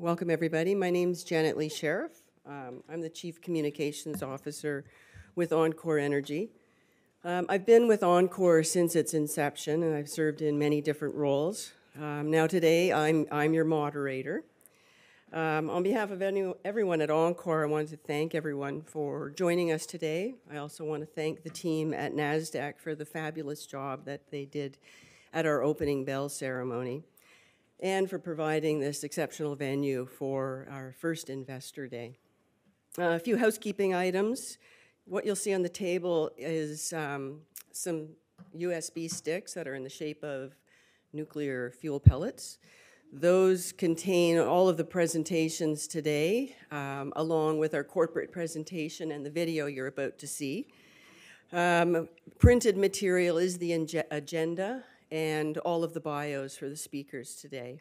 Welcome, everybody. My name's Janet Lee Sheriff. I'm the Chief Communications Officer with enCore Energy. I've been with enCore since its inception, and I've served in many different roles. Now today, I'm your moderator. On behalf of everyone at enCore, I wanted to thank everyone for joining us today. I also want to thank the team at Nasdaq for the fabulous job that they did at our opening bell ceremony, and for providing this exceptional venue for our first investor day. A few housekeeping items: what you'll see on the table is some USB sticks that are in the shape of nuclear fuel pellets. Those contain all of the presentations today, along with our corporate presentation and the video you're about to see. Printed material is the agenda and all of the bios for the speakers today.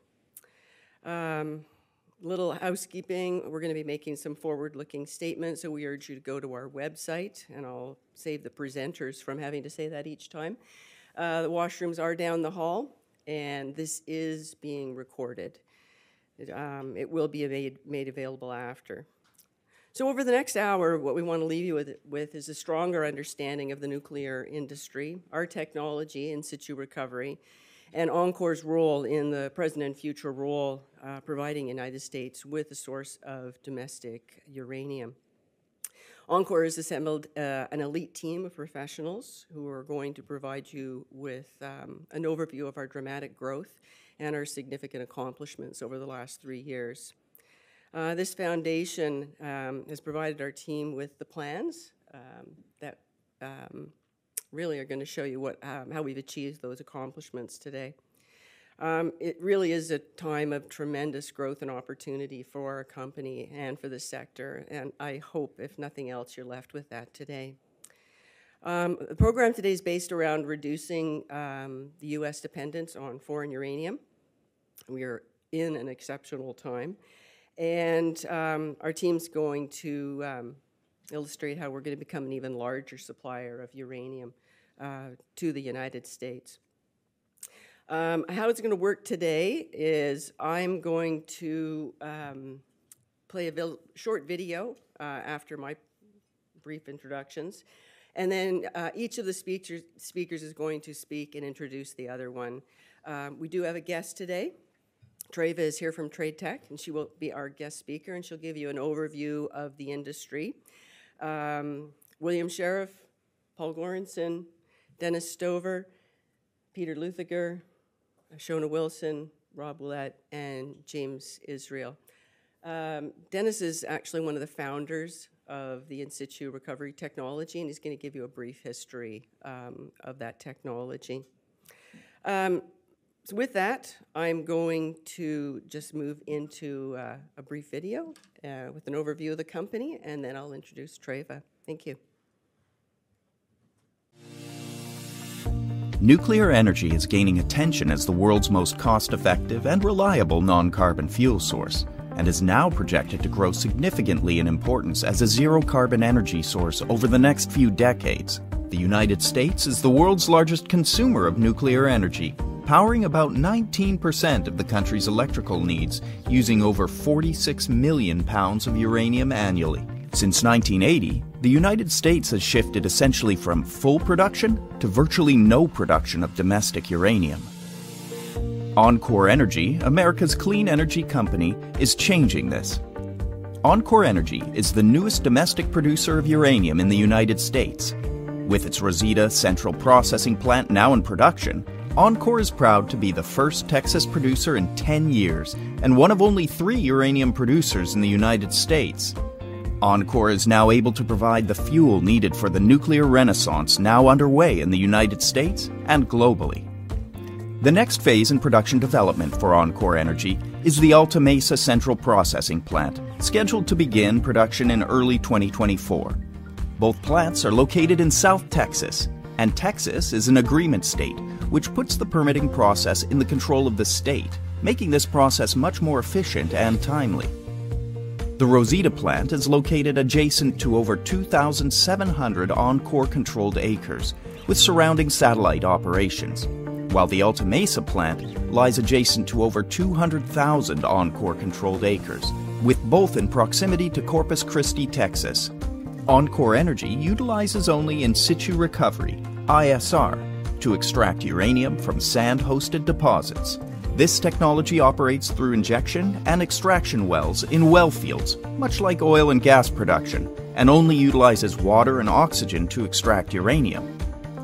Little housekeeping: we're going to be making some forward-looking statements, so we urge you to go to our website, and I'll save the presenters from having to say that each time. The washrooms are down the hall, and this is being recorded. It will be made available after. So over the next hour, what we want to leave you with is a stronger understanding of the nuclear industry, our technology in situ recovery, and enCore's role in the present and future role providing the United States with a source of domestic uranium. enCore has assembled an elite team of professionals who are going to provide you with an overview of our dramatic growth and our significant accomplishments over the last three years. This foundation has provided our team with the plans that really are going to show you how we've achieved those accomplishments today. It really is a time of tremendous growth and opportunity for our company and for the sector, and I hope, if nothing else, you're left with that today. The program today is based around reducing the U.S. dependence on foreign uranium. We are in an exceptional time, and our team's going to illustrate how we're going to become an even larger supplier of uranium to the United States. How it's going to work today is I'm going to play a short video after my brief introductions, and then each of the speakers is going to speak and introduce the other one. We do have a guest today. Treva is here from TradeTech, and she will be our guest speaker, and she'll give you an overview of the industry: William Sheriff, Paul Goranson, Dennis Stover, Peter Luthiger, Seonaid Wilson, Rob Willette, and James Israel. Dennis is actually one of the founders of the in situ recovery technology, and he's going to give you a brief history of that technology. So with that, I'm going to just move into a brief video with an overview of the company, and then I'll introduce Treva. Thank you. Nuclear energy is gaining attention as the world's most cost-effective and reliable non-carbon fuel source and is now projected to grow significantly in importance as a zero-carbon energy source over the next few decades. The United States is the world's largest consumer of nuclear energy, powering about 19% of the country's electrical needs using over 46 million pounds of uranium annually. Since 1980, the United States has shifted essentially from full production to virtually no production of domestic uranium. enCore Energy, America's clean energy company, is changing this. enCore Energy is the newest domestic producer of uranium in the United States. With its Rosita Central Processing Plant now in production, enCore is proud to be the first Texas producer in 10 years and one of only three uranium producers in the United States. enCore Energy is now able to provide the fuel needed for the nuclear renaissance now underway in the United States and globally. The next phase in production development for enCore Energy is the Alta Mesa Central Processing Plant, scheduled to begin production in early 2024. Both plants are located in South Texas, and Texas is an Agreement State, which puts the permitting process in the control of the state, making this process much more efficient and timely. The Rosita plant is located adjacent to over 2,700 enCore Energy-controlled acres with surrounding satellite operations, while the Alta Mesa plant lies adjacent to over 200,000 enCore Energy-controlled acres, with both in proximity to Corpus Christi, Texas. enCore Energy utilizes only in situ recovery, ISR, to extract uranium from sand-hosted deposits. This technology operates through injection and extraction wells in well fields, much like oil and gas production, and only utilizes water and oxygen to extract uranium.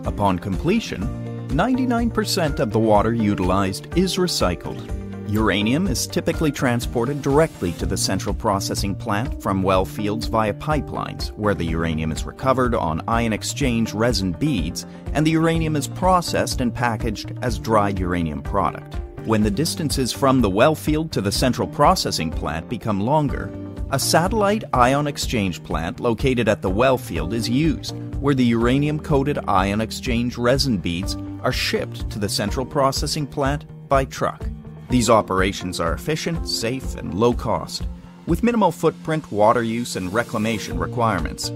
Upon completion, 99% of the water utilized is recycled. Uranium is typically transported directly to the central processing plant from well fields via pipelines, where the uranium is recovered on ion exchange resin beads and the uranium is processed and packaged as dry uranium product. When the distances from the well field to the central processing plant become longer, a satellite ion exchange plant located at the well field is used, where the uranium-coated ion exchange resin beads are shipped to the central processing plant by truck. These operations are efficient, safe, and low-cost, with minimal footprint, water use, and reclamation requirements.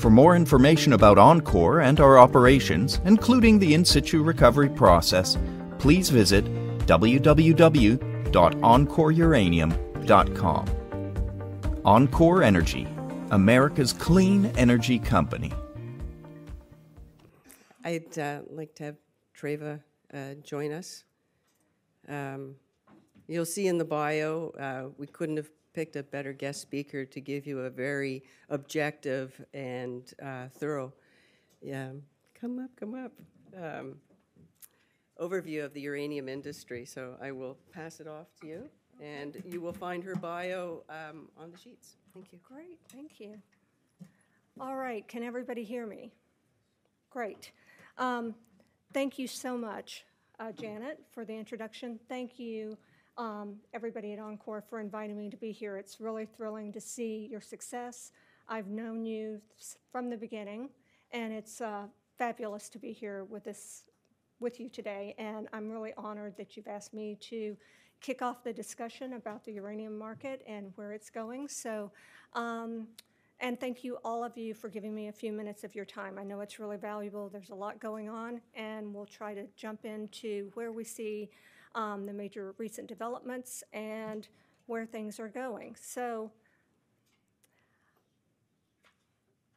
For more information about enCore and our operations, including the in situ recovery process, please visit www.encoreuranium.com. enCore Energy, America's clean energy company. I'd like to have Treva join us. You'll see in the bio we couldn't have picked a better guest speaker to give you a very objective and thorough come up overview of the uranium industry, so I will pass it off to you, and you will find her bio on the sheets. Thank you. Great. Thank you. All right. Can everybody hear me? Great. Thank you so much, Janet, for the introduction. Thank you, everybody at enCore, for inviting me to be here. It's really thrilling to see your success. I've known you from the beginning, and it's fabulous to be here with you today, and I'm really honored that you've asked me to kick off the discussion about the uranium market and where it's going. Thank you all of you for giving me a few minutes of your time. I know it's really valuable. There's a lot going on, and we'll try to jump into where we see the major recent developments and where things are going. So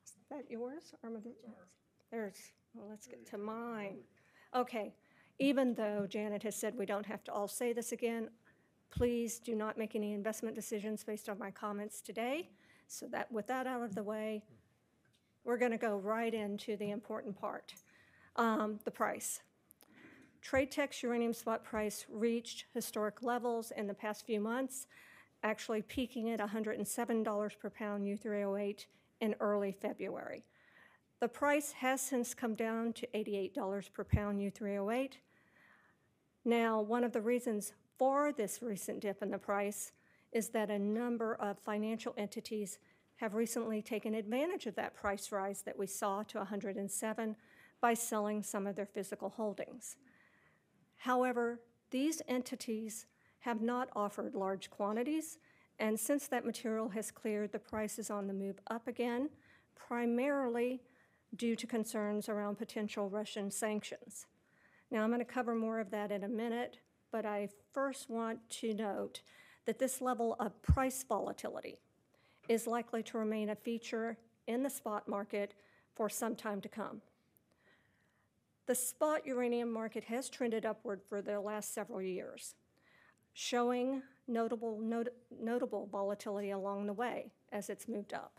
is that yours, Armadillo? Yes. Well, let's get to mine. Okay. Even though Janet has said we don't have to all say this again, please do not make any investment decisions based on my comments today. So with that out of the way, we're going to go right into the important part: the price. TradeTech's uranium spot price reached historic levels in the past few months, actually peaking at $107 per pound U3O8 in early February. The price has since come down to $88 per pound U3O8. Now, one of the reasons for this recent dip in the price is that a number of financial entities have recently taken advantage of that price rise that we saw to $107 by selling some of their physical holdings. However, these entities have not offered large quantities, and since that material has cleared, the price is on the move up again, primarily due to concerns around potential Russian sanctions. Now, I'm going to cover more of that in a minute, but I first want to note that this level of price volatility is likely to remain a feature in the spot market for some time to come. The spot uranium market has trended upward for the last several years, showing notable volatility along the way as it's moved up.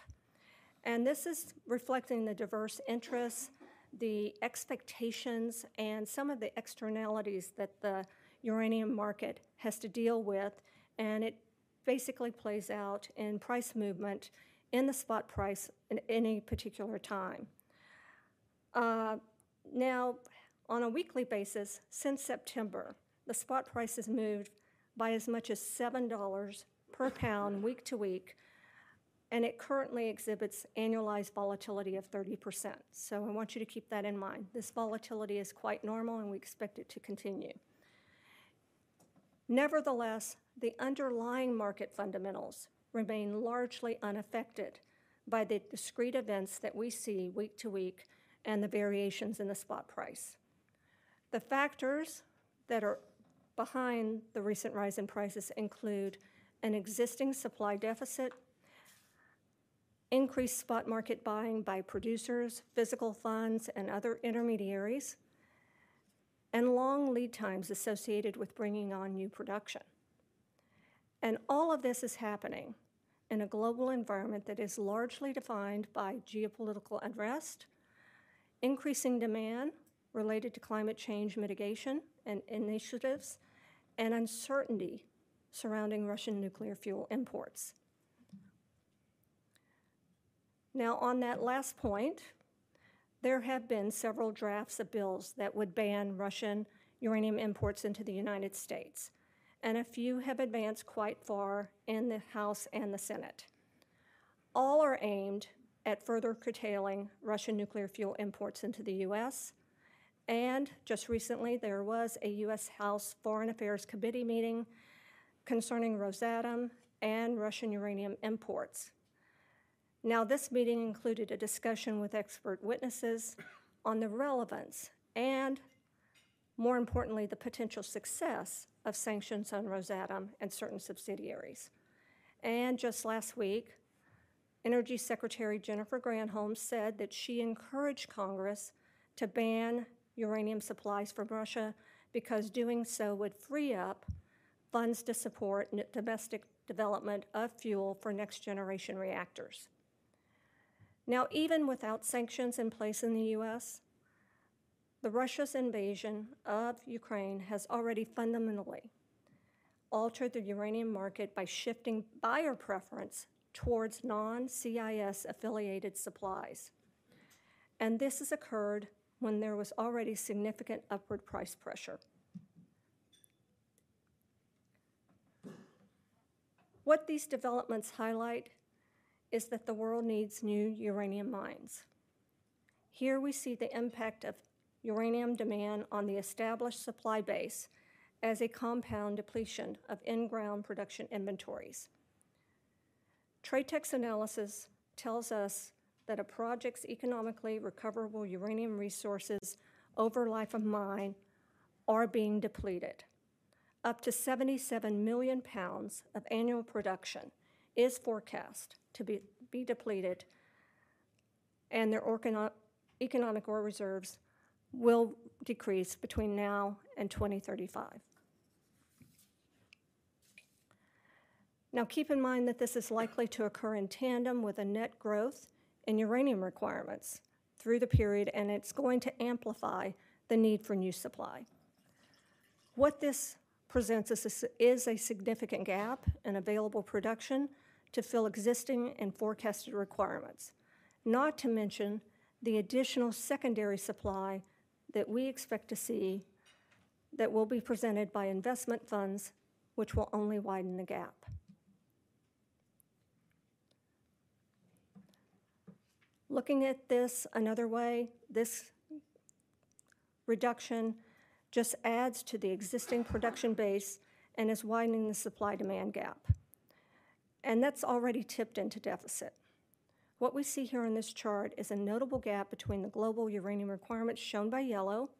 And this is reflecting the diverse interests, the expectations, and some of the externalities that the uranium market has to deal with, and it basically plays out in price movement in the spot price at any particular time. Now, on a weekly basis, since September, the spot price has moved by as much as $7 per pound week to week, and it currently exhibits annualized volatility of 30%. So I want you to keep that in mind. This volatility is quite normal, and we expect it to continue. Nevertheless, the underlying market fundamentals remain largely unaffected by the discrete events that we see week to week and the variations in the spot price. The factors that are behind the recent rise in prices include an existing supply deficit, increased spot market buying by producers, physical funds, and other intermediaries, and long lead times associated with bringing on new production. All of this is happening in a global environment that is largely defined by geopolitical unrest, increasing demand related to climate change mitigation and initiatives, and uncertainty surrounding Russian nuclear fuel imports. Now, on that last point, there have been several drafts of bills that would ban Russian uranium imports into the United States, and a few have advanced quite far in the House and the Senate. All are aimed at further curtailing Russian nuclear fuel imports into the U.S. And just recently, there was a U.S. House Foreign Affairs Committee meeting concerning Rosatom and Russian uranium imports. Now, this meeting included a discussion with expert witnesses on the relevance and, more importantly, the potential success of sanctions on Rosatom and certain subsidiaries. And just last week, Energy Secretary Jennifer Granholm said that she encouraged Congress to ban uranium supplies from Russia because doing so would free up funds to support domestic development of fuel for next-generation reactors. Now, even without sanctions in place in the U.S., Russia's invasion of Ukraine has already fundamentally altered the uranium market by shifting buyer preference towards non-CIS-affiliated supplies. And this has occurred when there was already significant upward price pressure. What these developments highlight is that the world needs new uranium mines. Here, we see the impact of uranium demand on the established supply base as a compound depletion of in-ground production inventories. TradeTech's analysis tells us that a project's economically recoverable uranium resources over life of mine are being depleted. Up to 77 million pounds of annual production is forecast to be depleted, and their economic reserves will decrease between now and 2035. Now, keep in mind that this is likely to occur in tandem with a net growth in uranium requirements through the period, and it's going to amplify the need for new supply. What this presents is a significant gap in available production to fill existing and forecasted requirements, not to mention the additional secondary supply that we expect to see that will be presented by investment funds, which will only widen the gap. Looking at this another way, this reduction just adds to the existing production base and is widening the supply-demand gap. And that's already tipped into deficit. What we see here in this chart is a notable gap between the global uranium requirements shown by yellow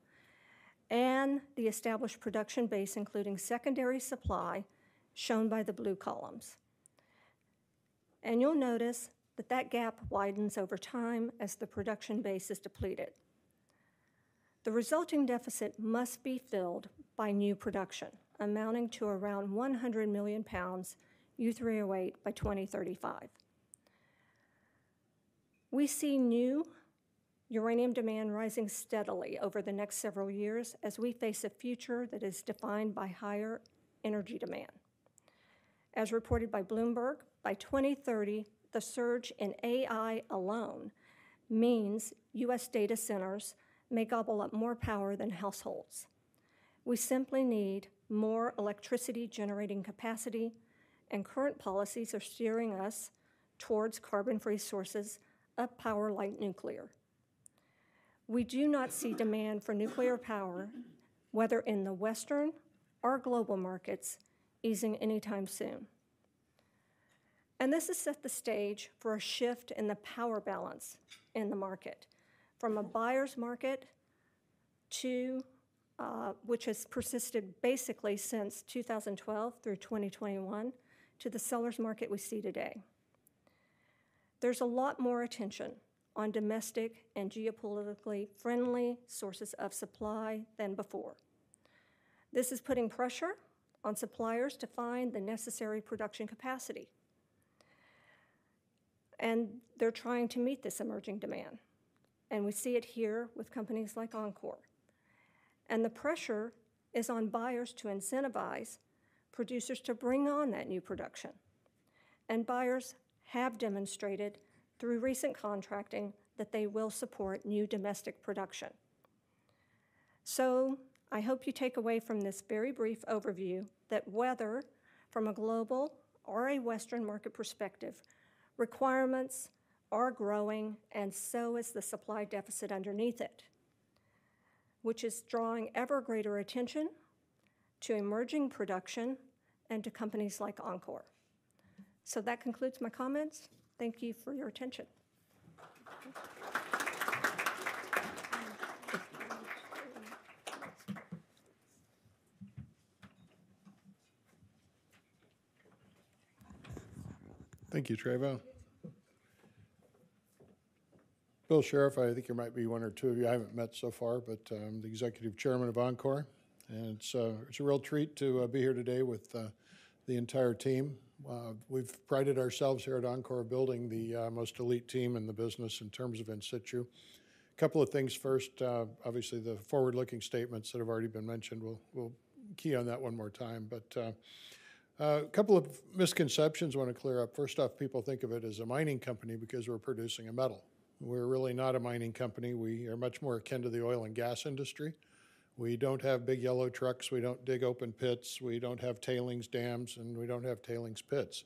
and the established production base, including secondary supply shown by the blue columns. And you'll notice that that gap widens over time as the production base is depleted. The resulting deficit must be filled by new production, amounting to around 100 million pounds U3O8 by 2035. We see new uranium demand rising steadily over the next several years as we face a future that is defined by higher energy demand. As reported by Bloomberg, by 2030, the surge in AI alone means U.S. data centers may gobble up more power than households. We simply need more electricity-generating capacity, and current policies are steering us towards carbon-free sources of power like nuclear. We do not see demand for nuclear power, whether in the Western or global markets, easing anytime soon. And this has set the stage for a shift in the power balance in the market, from a buyer's market, which has persisted basically since 2012 through 2021, to the seller's market we see today. There's a lot more attention on domestic and geopolitically friendly sources of supply than before. This is putting pressure on suppliers to find the necessary production capacity. They're trying to meet this emerging demand. We see it here with companies like enCore. The pressure is on buyers to incentivize producers to bring on that new production. Buyers have demonstrated through recent contracting that they will support new domestic production. So I hope you take away from this very brief overview that whether from a global or a Western market perspective, requirements are growing, and so is the supply deficit underneath it, which is drawing ever greater attention to emerging production and to companies like enCore. So that concludes my comments. Thank you for your attention. Thank you, Treva. Bill Sheriff, I think there might be one or two of you I haven't met so far, but I'm the Executive Chairman of enCore. It's a real treat to be here today with the entire team. We've prided ourselves here at enCore building the most elite team in the business in terms of in situ. A couple of things first. Obviously, the forward-looking statements that have already been mentioned will key on that one more time. A couple of misconceptions I want to clear up. First off, people think of it as a mining company because we're producing a metal. We're really not a mining company. We are much more akin to the oil and gas industry. We don't have big yellow trucks. We don't dig open pits. We don't have tailings dams, and we don't have tailings pits.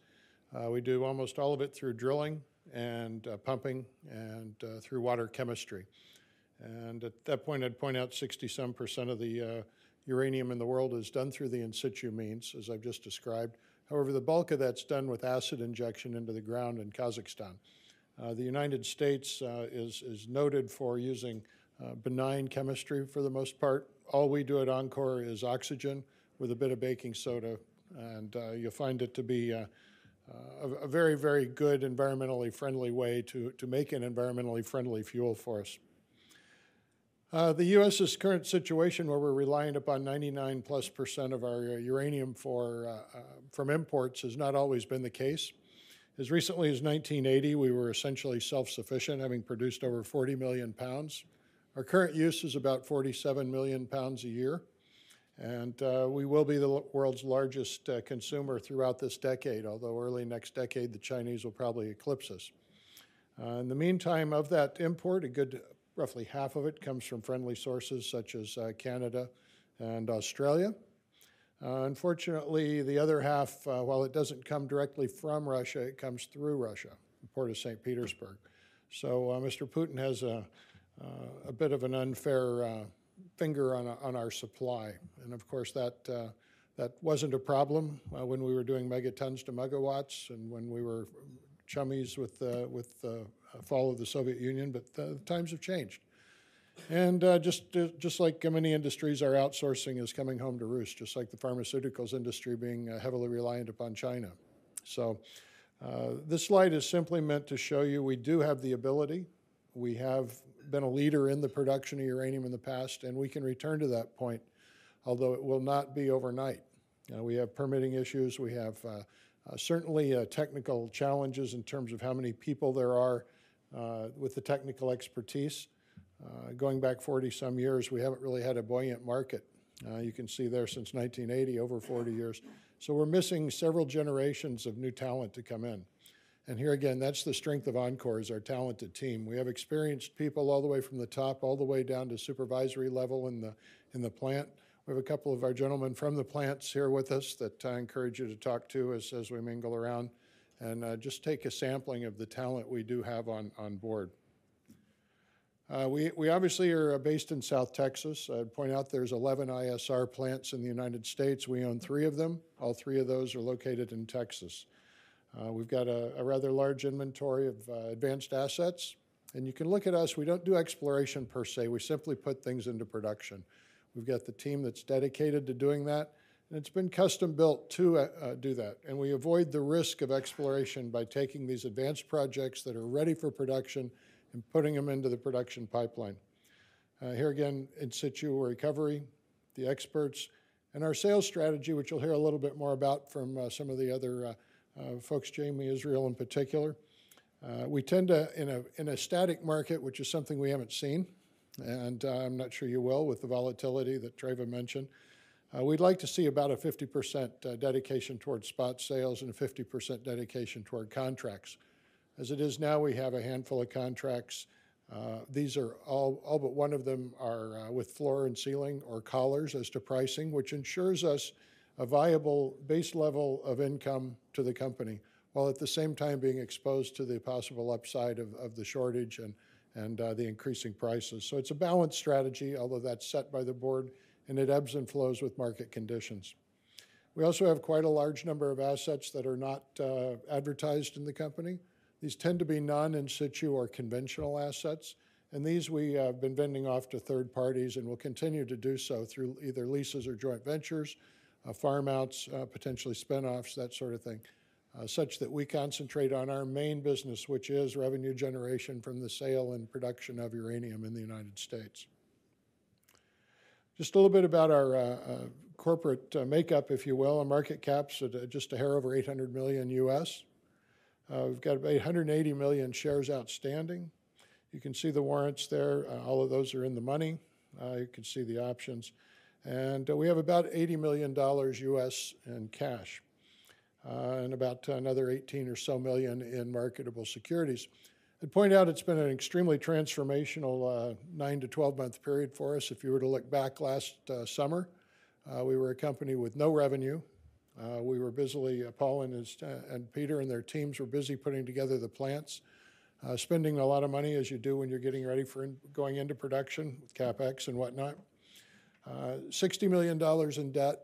We do almost all of it through drilling and pumping and through water chemistry. At that point, I'd point out 60-some% of the uranium in the world is done through the in situ means, as I've just described. However, the bulk of that's done with acid injection into the ground in Kazakhstan. The United States is noted for using benign chemistry for the most part. All we do at enCore is oxygen with a bit of baking soda, and you'll find it to be a very, very good environmentally friendly way to make an environmentally friendly fuel for us. The U.S.'s current situation, where we're relying upon 99-plus% of our uranium from imports, has not always been the case. As recently as 1980, we were essentially self-sufficient, having produced over 40 million pounds. Our current use is about 47 million pounds a year. We will be the world's largest consumer throughout this decade, although early next decade, the Chinese will probably eclipse us. In the meantime of that import, a good roughly half of it comes from friendly sources such as Canada and Australia. Unfortunately, the other half, while it doesn't come directly from Russia, it comes through Russia, the port of St. Petersburg. So Mr. Putin has a bit of an unfair finger on our supply. And of course, that wasn't a problem when we were doing megatons to megawatts and when we were chummies with the fall of the Soviet Union. But times have changed. And just like many industries, our outsourcing is coming home to roost, just like the pharmaceuticals industry being heavily reliant upon China. So this slide is simply meant to show you we do have the ability. We have been a leader in the production of uranium in the past, and we can return to that point, although it will not be overnight. We have permitting issues. We have certainly technical challenges in terms of how many people there are with the technical expertise. Going back 40-some years, we haven't really had a buoyant market. You can see there since 1980, over 40 years. So we're missing several generations of new talent to come in. And here again, that's the strength of enCore, is our talented team. We have experienced people all the way from the top all the way down to supervisory level in the plant. We have a couple of our gentlemen from the plants here with us that I encourage you to talk to as we mingle around and just take a sampling of the talent we do have on board. We obviously are based in South Texas. I'd point out there's 11 ISR plants in the United States. We own 3 of them. All 3 of those are located in Texas. We've got a rather large inventory of advanced assets. You can look at us. We don't do exploration per se. We simply put things into production. We've got the team that's dedicated to doing that, and it's been custom-built to do that. We avoid the risk of exploration by taking these advanced projects that are ready for production and putting them into the production pipeline. Here again, in situ recovery, the experts, and our sales strategy, which you'll hear a little bit more about from some of the other folks, Jamie Israel in particular. We tend to, in a static market, which is something we haven't seen, and I'm not sure you will with the volatility that Treva mentioned, we'd like to see about a 50% dedication toward spot sales and a 50% dedication toward contracts. As it is now, we have a handful of contracts. These are all but one of them are with floor and ceiling or collars as to pricing, which ensures us a viable base level of income to the company while at the same time being exposed to the possible upside of the shortage and the increasing prices. So it's a balanced strategy, although that's set by the board, and it ebbs and flows with market conditions. We also have quite a large number of assets that are not advertised in the company. These tend to be non-in situ or conventional assets. These we have been vending off to third parties and will continue to do so through either leases or joint ventures, farm-outs, potentially spin-offs, that sort of thing, such that we concentrate on our main business, which is revenue generation from the sale and production of uranium in the United States. Just a little bit about our corporate makeup, if you will, our market cap's just a hair over $800 million. We've got about 880 million shares outstanding. You can see the warrants there. All of those are in the money. You can see the options. And we have about $80 million in cash and about another $18 million or so in marketable securities. I'd point out it's been an extremely transformational 9-12-month period for us. If you were to look back last summer, we were a company with no revenue. We were busily Paul and Peter and their teams were busy putting together the plants, spending a lot of money, as you do when you're getting ready for going into production with CapEx and whatnot, $60 million in debt,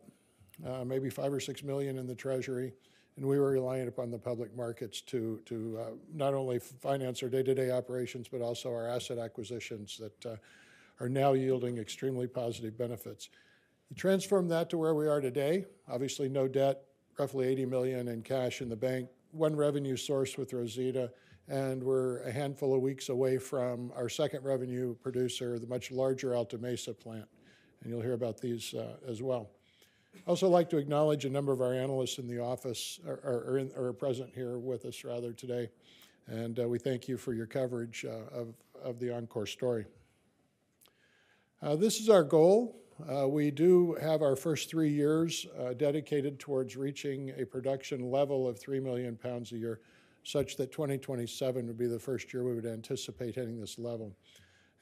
maybe $5 or $6 million in the Treasury. We were relying upon the public markets to not only finance our day-to-day operations but also our asset acquisitions that are now yielding extremely positive benefits. We transformed that to where we are today. Obviously, no debt, roughly $80 million in cash in the bank, one revenue source with Rosita, and we're a handful of weeks away from our second revenue producer, the much larger Alta Mesa plant. You'll hear about these as well. I'd also like to acknowledge a number of our analysts in the office or present here with us rather today. We thank you for your coverage of the enCore story. This is our goal. We do have our first three years dedicated towards reaching a production level of 3 million pounds a year, such that 2027 would be the first year we would anticipate hitting this level.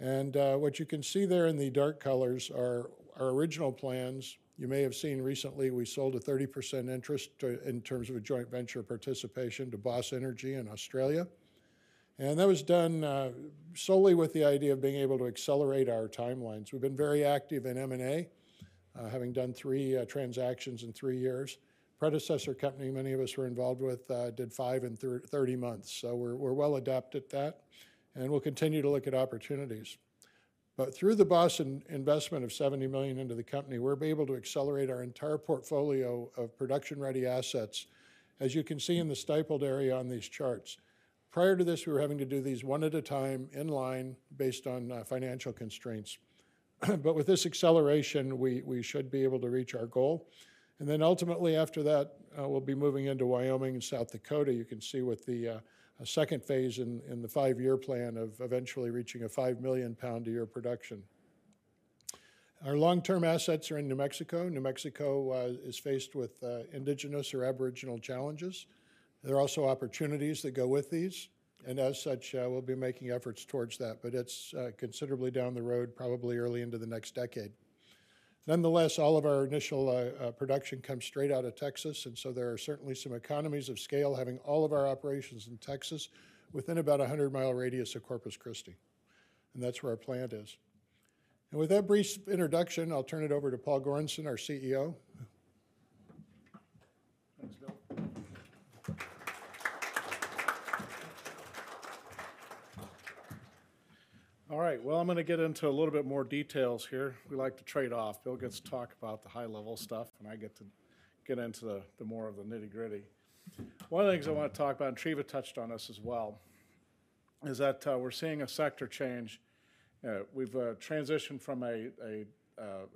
And what you can see there in the dark colors are our original plans. You may have seen recently we sold a 30% interest in terms of a joint venture participation to Boss Energy in Australia. And that was done solely with the idea of being able to accelerate our timelines. We've been very active in M&A, having done three transactions in three years. The predecessor company many of us were involved with did five in 30 months. So we're well adept at that, and we'll continue to look at opportunities. But through the Boss investment of $70 million into the company, we're able to accelerate our entire portfolio of production-ready assets, as you can see in the stippled area on these charts. Prior to this, we were having to do these one at a time in line based on financial constraints. But with this acceleration, we should be able to reach our goal. And then ultimately, after that, we'll be moving into Wyoming and South Dakota. You can see with the second phase in the five-year plan of eventually reaching a 5 million-pound-a-year production. Our long-term assets are in New Mexico. New Mexico is faced with indigenous or Aboriginal challenges. There are also opportunities that go with these. And as such, we'll be making efforts towards that. But it's considerably down the road, probably early into the next decade. Nonetheless, all of our initial production comes straight out of Texas. So there are certainly some economies of scale, having all of our operations in Texas within about a 100-mile radius of Corpus Christi. That's where our plant is. With that brief introduction, I'll turn it over to Paul Goranson, our CEO. Thanks, Bill. All right. Well, I'm going to get into a little bit more details here. We like to trade off. Bill gets to talk about the high-level stuff, and I get to get into the more of the nitty-gritty. One of the things I want to talk about, and Treva touched on this as well, is that we're seeing a sector change. We've transitioned from a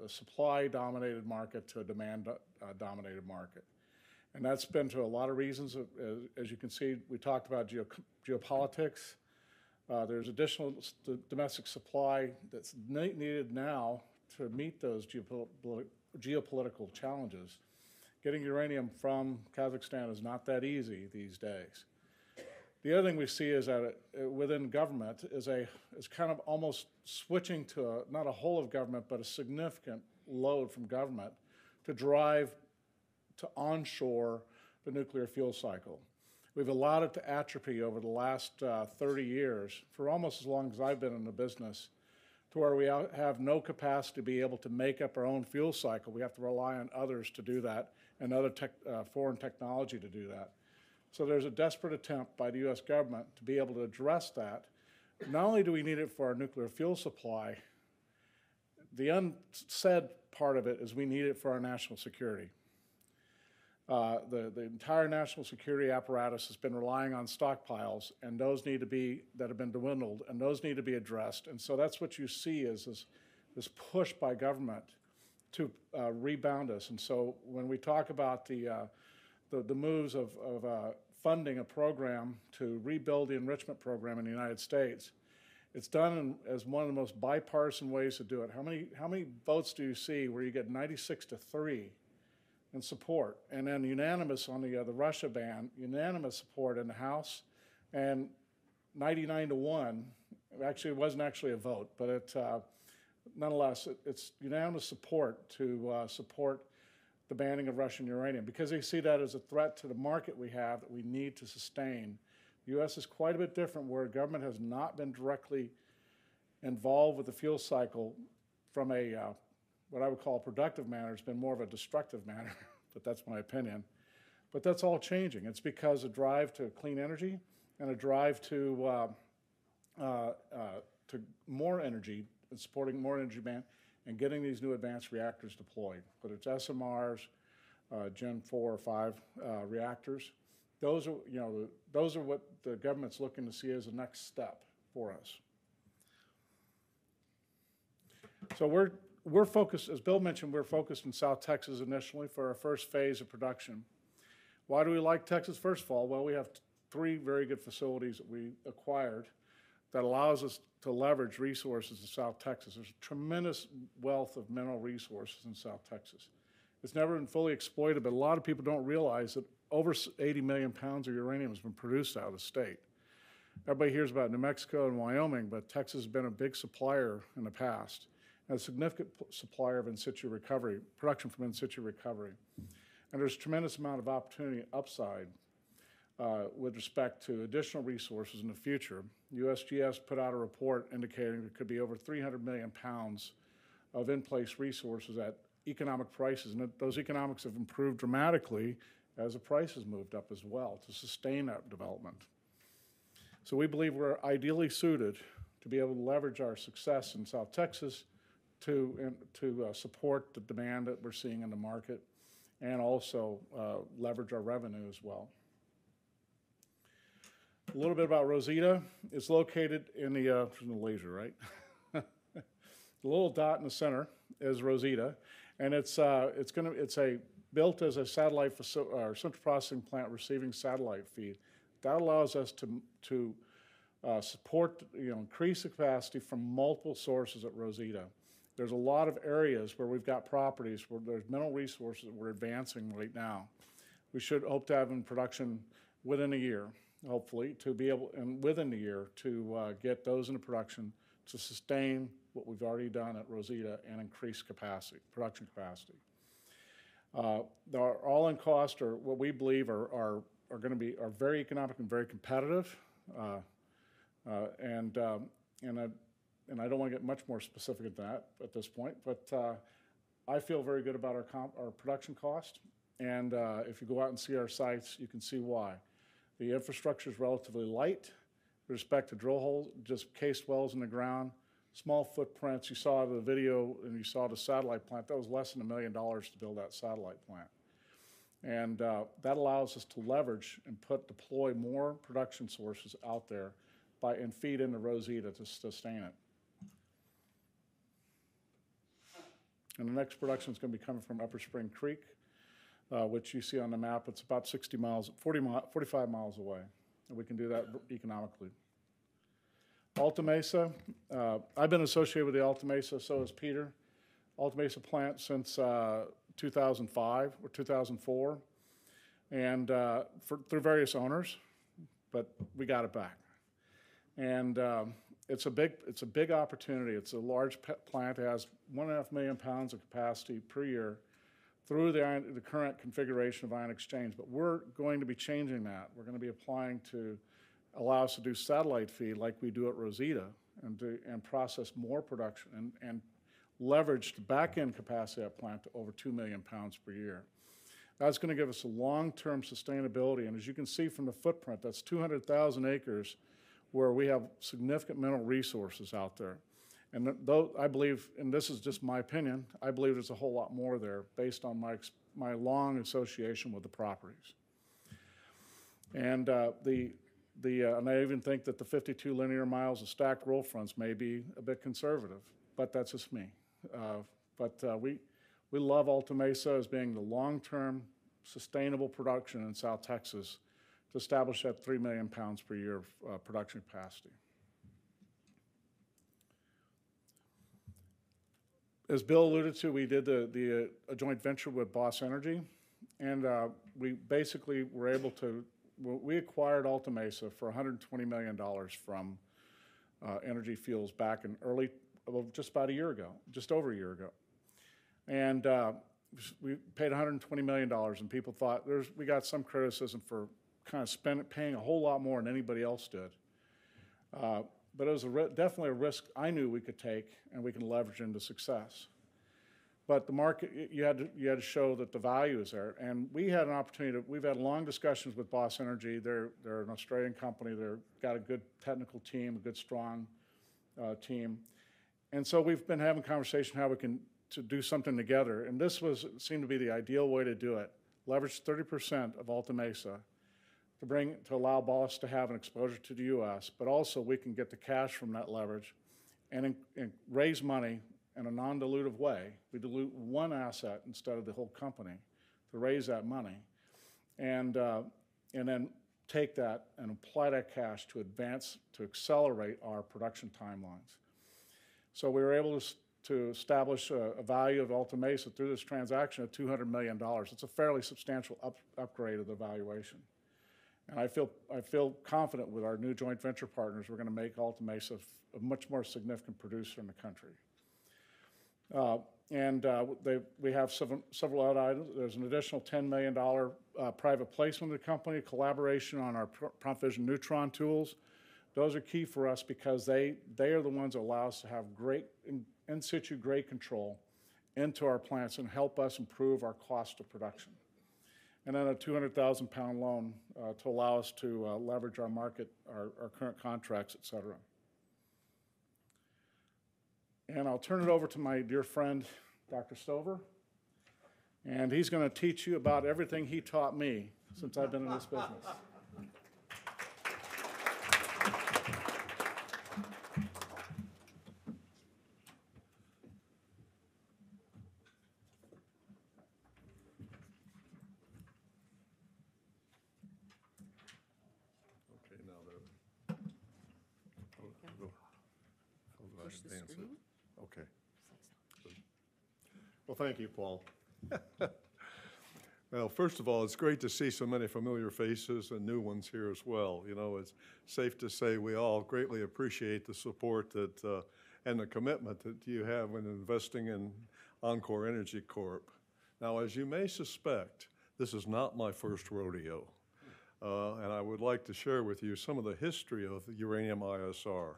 supply-dominated market to a demand-dominated market. And that's been to a lot of reasons. As you can see, we talked about geopolitics. There's additional domestic supply that's needed now to meet those geopolitical challenges. Getting uranium from Kazakhstan is not that easy these days. The other thing we see is that within government is kind of almost switching to not a whole of government, but a significant load from government to drive to onshore the nuclear fuel cycle. We've allowed it to atrophy over the last 30 years, for almost as long as I've been in the business, to where we have no capacity to be able to make up our own fuel cycle. We have to rely on others to do that and other foreign technology to do that. So there's a desperate attempt by the U.S. government to be able to address that. Not only do we need it for our nuclear fuel supply, the unsaid part of it is we need it for our national security. The entire national security apparatus has been relying on stockpiles, and those that have been dwindled need to be addressed. So that's what you see is this push by the government to rebound us. And so when we talk about the moves of funding a program to rebuild the enrichment program in the United States, it's done as one of the most bipartisan ways to do it. How many votes do you see where you get 96-3 in support and then unanimous on the Russia ban, unanimous support in the House, and 99-1? Actually, it wasn't actually a vote, but nonetheless, it's unanimous support to support the banning of Russian uranium because they see that as a threat to the market we have that we need to sustain. The U.S. is quite a bit different where government has not been directly involved with the fuel cycle from a what I would call a productive manner. It's been more of a destructive manner, but that's my opinion. But that's all changing. It's because of a drive to clean energy and a drive to more energy and supporting more energy ban and getting these new advanced reactors deployed, whether it's SMRs, Gen IV or V reactors. Those are what the government's looking to see as a next step for us. So we're focused, as Bill mentioned, we're focused in South Texas initially for our first phase of production. Why do we like Texas? First of all, well, we have three very good facilities that we acquired that allows us to leverage resources in South Texas. There's a tremendous wealth of mineral resources in South Texas. It's never been fully exploited, but a lot of people don't realize that over 80 million pounds of uranium has been produced out of state. Everybody hears about New Mexico and Wyoming, but Texas has been a big supplier in the past and a significant supplier of in situ recovery, production from in situ recovery. And there's a tremendous amount of opportunity upside with respect to additional resources in the future. USGS put out a report indicating there could be over 300 million pounds of in-place resources at economic prices. And those economics have improved dramatically as the prices moved up as well to sustain that development. So we believe we're ideally suited to be able to leverage our success in South Texas to support the demand that we're seeing in the market and also leverage our revenue as well. A little bit about Rosita. It's located in the this is in the laser, right? The little dot in the center is Rosita. It's built as a satellite or central processing plant receiving satellite feed. That allows us to support, increase the capacity from multiple sources at Rosita. There's a lot of areas where we've got properties where there's mineral resources that we're advancing right now. We should hope to have them in production within a year, hopefully, to be able and within a year to get those into production to sustain what we've already done at Rosita and increase capacity, production capacity. They're all in cost or what we believe are going to be are very economic and very competitive. And I don't want to get much more specific than that at this point. But I feel very good about our production cost. And if you go out and see our sites, you can see why. The infrastructure is relatively light with respect to drill holes, just cased wells in the ground, small footprints. You saw the video, and you saw the satellite plant. That was less than $1 million to build that satellite plant. That allows us to leverage and deploy more production sources out there and feed in the Rosita to sustain it. The next production is going to be coming from Upper Spring Creek, which you see on the map. It's about 60 miles, 45 miles away. We can do that economically. Alta Mesa, I've been associated with the Alta Mesa, so is Peter. Alta Mesa plant since 2005 or 2004 and through various owners, but we got it back. It's a big opportunity. It's a large plant. It has 1.5 million pounds of capacity per year through the current configuration of ion exchange. But we're going to be changing that. We're going to be applying to allow us to do satellite plant like we do at Rosita and process more production and leverage the backend capacity at the plant to over 2 million pounds per year. That's going to give us a long-term sustainability. And as you can see from the footprint, that's 200,000 acres where we have significant mineral resources out there. And I believe, and this is just my opinion, I believe there's a whole lot more there based on my long association with the properties. And I even think that the 52 linear miles of stacked roll fronts may be a bit conservative, but that's just me. But we love Alta Mesa as being the long-term sustainable production in South Texas to establish that 3 million pounds per year of production capacity. As Bill alluded to, we did a joint venture with Boss Energy. We basically were able to acquire Alta Mesa for $120 million from Energy Fuels back in early well, just about a year ago, just over a year ago. We paid $120 million, and people thought we got some criticism for kind of paying a whole lot more than anybody else did. But it was definitely a risk I knew we could take, and we can leverage into success. But the market, you had to show that the value is there. We've had long discussions with Boss Energy. They're an Australian company. They've got a good technical team, a good strong team. So we've been having conversation how we can do something together. This seemed to be the ideal way to do it, leverage 30% of Alta Mesa to allow Boss to have an exposure to the U.S. But also, we can get the cash from that leverage and raise money in a non-dilutive way. We dilute one asset instead of the whole company to raise that money and then take that and apply that cash to advance, to accelerate our production timelines. So we were able to establish a value of Alta Mesa through this transaction of $200 million. It's a fairly substantial upgrade of the valuation. And we have several other items. There's an additional $10 million private placement of the company, collaboration on our Prompt Fission Neutron tools. Those are key for us because they are the ones that allow us to have great in situ, great control into our plants and help us improve our cost of production. And then a 200,000-pound loan to allow us to leverage our market, our current contracts, etc. And I'll turn it over to my dear friend, Dr. Stover. And he's going to teach you about everything he taught me since I've been in this business. Okay. Now, the. Okay. Hold on. Hold on. I'm just going to. Share the screen? Okay. Well, thank you, Paul. Well, first of all, it's great to see so many familiar faces and new ones here as well. It's safe to say we all greatly appreciate the support and the commitment that you have in investing in enCore Energy Corp. Now, as you may suspect, this is not my first rodeo. I would like to share with you some of the history of the uranium ISR.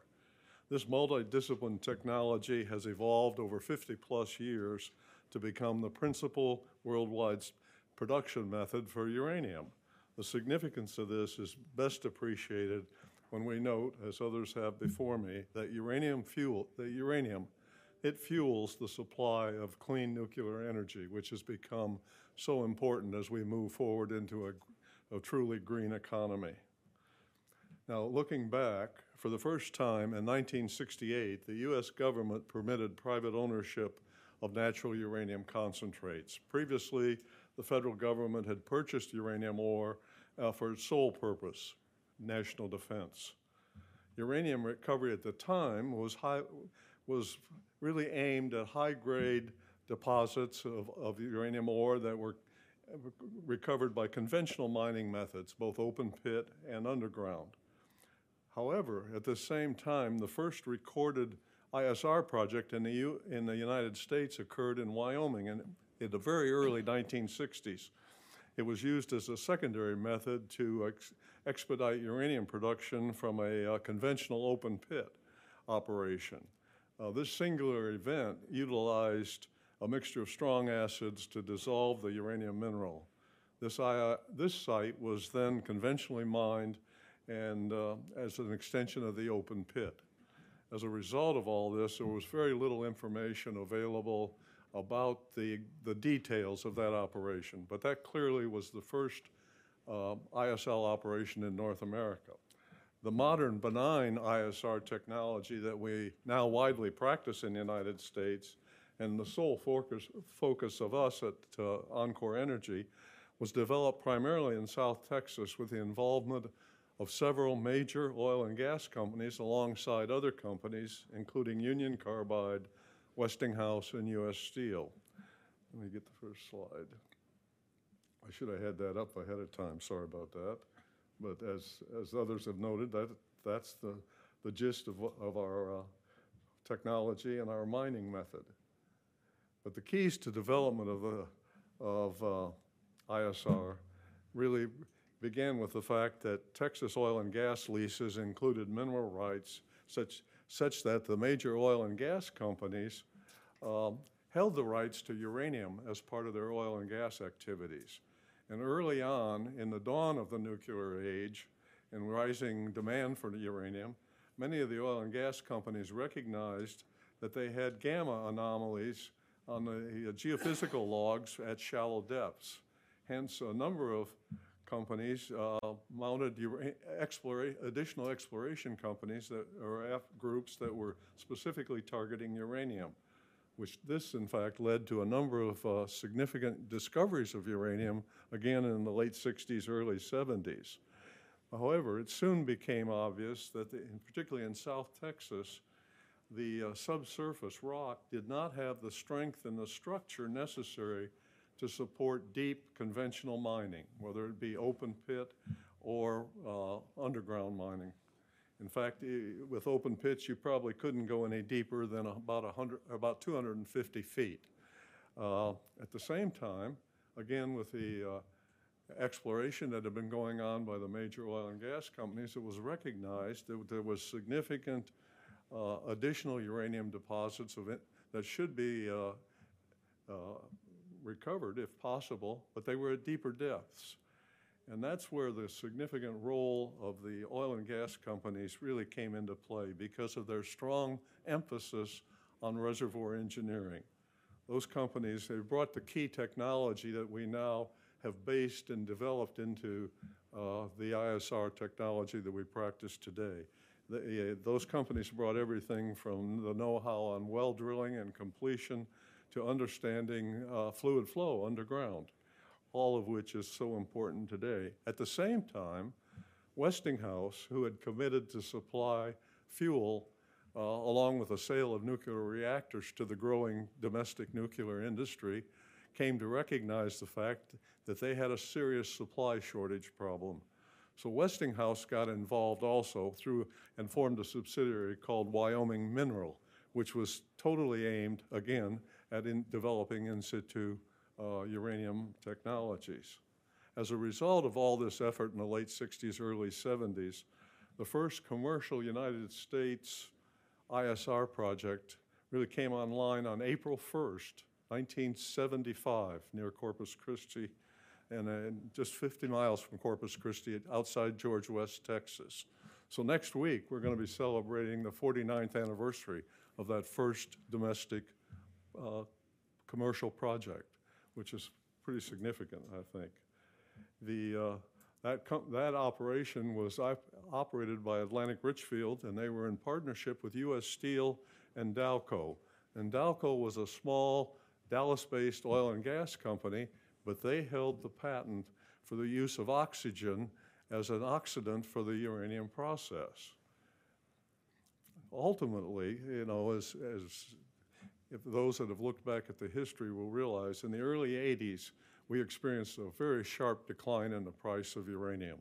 This multidisciplinary technology has evolved over 50-plus years to become the principal worldwide production method for uranium. The significance of this is best appreciated when we note, as others have before me, that uranium fuels the supply of clean nuclear energy, which has become so important as we move forward into a truly green economy. Now, looking back, for the first time in 1968, the U.S. government permitted private ownership of natural uranium concentrates. Previously, the federal government had purchased uranium ore for its sole purpose, national defense. Uranium recovery at the time was really aimed at high-grade deposits of uranium ore that were recovered by conventional mining methods, both open pit and underground. However, at the same time, the first recorded ISR project in the United States occurred in Wyoming in the very early 1960s. It was used as a secondary method to expedite uranium production from a conventional open pit operation. This singular event utilized a mixture of strong acids to dissolve the uranium mineral. This site was then conventionally mined as an extension of the open pit. As a result of all this, there was very little information available about the details of that operation. But that clearly was the first ISR operation in North America. The modern benign ISR technology that we now widely practice in the United States and the sole focus of us at enCore Energy was developed primarily in South Texas with the involvement of several major oil and gas companies alongside other companies, including Union Carbide, Westinghouse, and U.S. Steel. Let me get the first slide. I should have had that up ahead of time. Sorry about that. But as others have noted, that's the gist of our technology and our mining method. But the keys to development of ISR really began with the fact that Texas oil and gas leases included mineral rights such that the major oil and gas companies held the rights to uranium as part of their oil and gas activities. Early on, in the dawn of the nuclear age and rising demand for uranium, many of the oil and gas companies recognized that they had gamma anomalies on the geophysical logs at shallow depths. Hence, a number of companies mounted additional exploration companies or groups that were specifically targeting uranium, which, in fact, led to a number of significant discoveries of uranium, again, in the late 1960s, early 1970s. However, it soon became obvious that, particularly in South Texas, the subsurface rock did not have the strength and the structure necessary to support deep conventional mining, whether it be open pit or underground mining. In fact, with open pits, you probably couldn't go any deeper than about 250 feet. At the same time, again, with the exploration that had been going on by the major oil and gas companies, it was recognized that there were significant additional uranium deposits that should be recovered, if possible, but they were at deeper depths. That's where the significant role of the oil and gas companies really came into play because of their strong emphasis on reservoir engineering. Those companies, they've brought the key technology that we now have based and developed into the ISR technology that we practice today. Those companies brought everything from the know-how on well drilling and completion to understanding fluid flow underground, all of which is so important today. At the same time, Westinghouse, who had committed to supply fuel along with a sale of nuclear reactors to the growing domestic nuclear industry, came to recognize the fact that they had a serious supply shortage problem. So Westinghouse got involved also and formed a subsidiary called Wyoming Mineral, which was totally aimed, again, at developing in situ uranium technologies. As a result of all this effort in the late '60s, early '70s, the first commercial United States ISR project really came online on April 1st, 1975, near Corpus Christi and just 50 miles from Corpus Christi outside George West, Texas. So next week, we're going to be celebrating the 49th anniversary of that first domestic commercial project, which is pretty significant, I think. That operation was operated by Atlantic Richfield, and they were in partnership with U.S. Steel and Dalco. And Dalco was a small Dallas-based oil and gas company, but they held the patent for the use of oxygen as an oxidant for the uranium process. Ultimately, as those that have looked back at the history will realize, in the early 1980s, we experienced a very sharp decline in the price of uranium.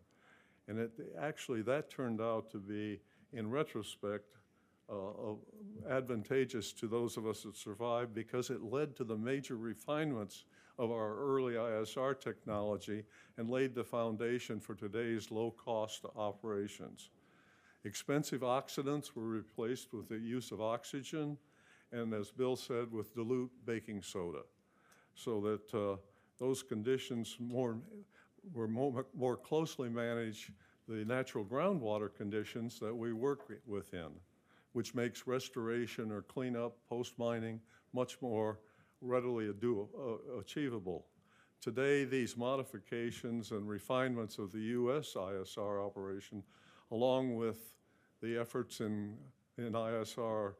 Actually, that turned out to be, in retrospect, advantageous to those of us that survived because it led to the major refinements of our early ISR technology and laid the foundation for today's low-cost operations. Expensive oxidants were replaced with the use of oxygen and, as Bill said, with dilute baking soda. So that those conditions were more closely managed, the natural groundwater conditions that we work within, which makes restoration or cleanup post-mining much more readily achievable. Today, these modifications and refinements of the U.S. ISR operation, along with the efforts in ISR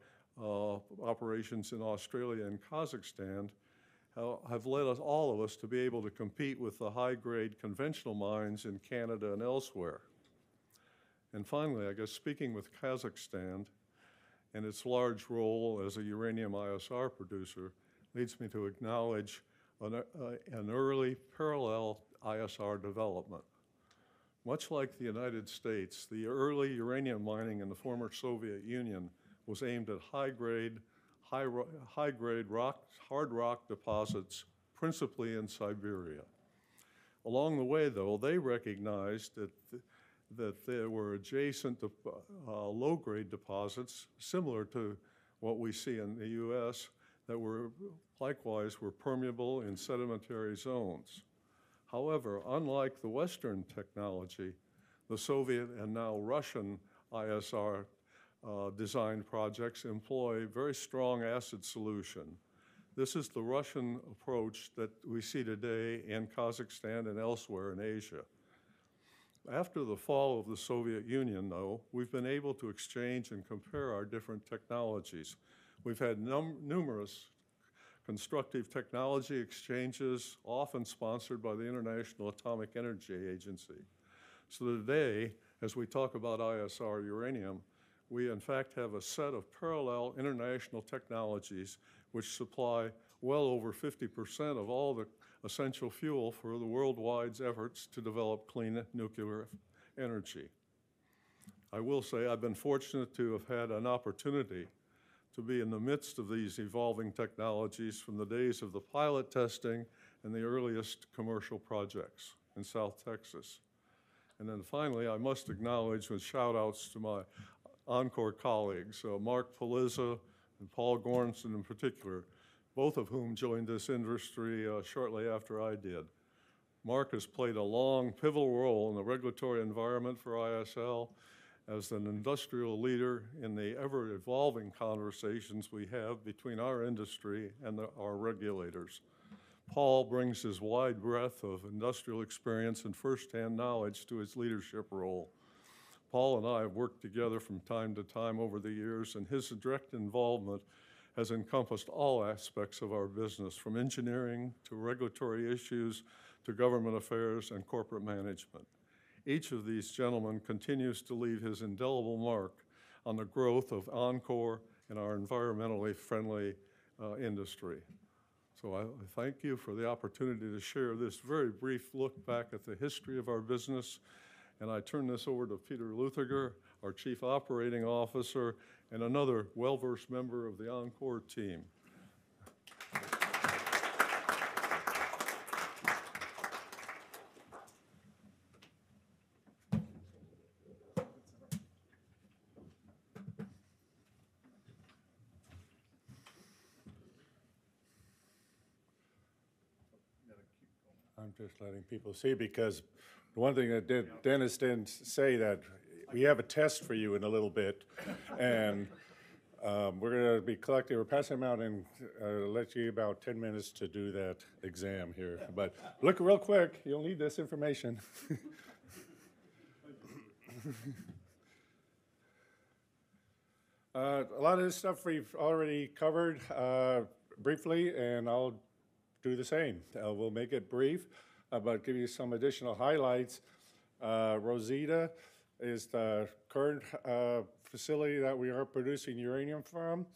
operations in Australia and Kazakhstan, have led all of us to be able to compete with the high-grade conventional mines in Canada and elsewhere. Finally, I guess speaking with Kazakhstan and its large role as a uranium ISR producer leads me to acknowledge an early parallel ISR development. Much like the United States, the early uranium mining in the former Soviet Union was aimed at high-grade hard rock deposits, principally in Siberia. Along the way, though, they recognized that there were adjacent low-grade deposits, similar to what we see in the U.S., that likewise were permeable in sedimentary zones. However, unlike the Western technology, the Soviet and now Russian ISR design projects employ very strong acid solution. This is the Russian approach that we see today in Kazakhstan and elsewhere in Asia. After the fall of the Soviet Union, though, we've been able to exchange and compare our different technologies. We've had numerous constructive technology exchanges, often sponsored by the International Atomic Energy Agency. So today, as we talk about ISR uranium, we, in fact, have a set of parallel international technologies which supply well over 50% of all the essential fuel for the worldwide efforts to develop clean nuclear energy. I will say I've been fortunate to have had an opportunity to be in the midst of these evolving technologies from the days of the pilot testing and the earliest commercial projects in South Texas. And then finally, I must acknowledge with shout-outs to my enCore colleagues, Mark Pelizza and Paul Goranson in particular, both of whom joined this industry shortly after I did. Mark has played a long pivotal role in the regulatory environment for ISL as an industrial leader in the ever-evolving conversations we have between our industry and our regulators. Paul brings his wide breadth of industrial experience and firsthand knowledge to his leadership role. Paul and I have worked together from time to time over the years, and his direct involvement has encompassed all aspects of our business, from engineering to regulatory issues to government affairs and corporate management. Each of these gentlemen continues to leave his indelible mark on the growth of enCore in our environmentally friendly industry. I thank you for the opportunity to share this very brief look back at the history of our business. I turn this over to Peter Luthiger, our Chief Operating Officer and another well-versed member of the enCore team. You got to keep going. I'm just letting people see because the one thing that Dennis didn't say, that we have a test for you in a little bit, and we're going to be collecting. We're passing them out and let you about 10 minutes to do that exam here. But look real quick. You'll need this information. A lot of this stuff we've already covered briefly, and I'll do the same. We'll make it brief but give you some additional highlights. Rosita is the current facility that we are producing uranium from.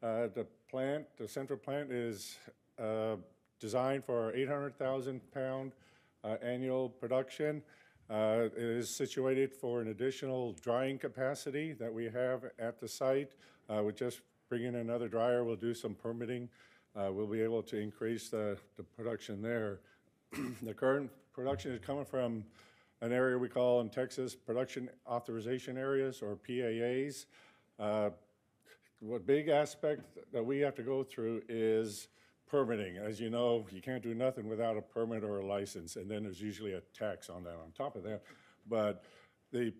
The central plant is designed for 800,000-pound annual production. It is situated for an additional drying capacity that we have at the site. We're just bringing in another dryer. We'll do some permitting. We'll be able to increase the production there. The current production is coming from an area we call in Texas Production Area Authorizations or PAAs. The big aspect that we have to go through is permitting. As you know, you can't do nothing without a permit or a license, and then there's usually a tax on that on top of that. But the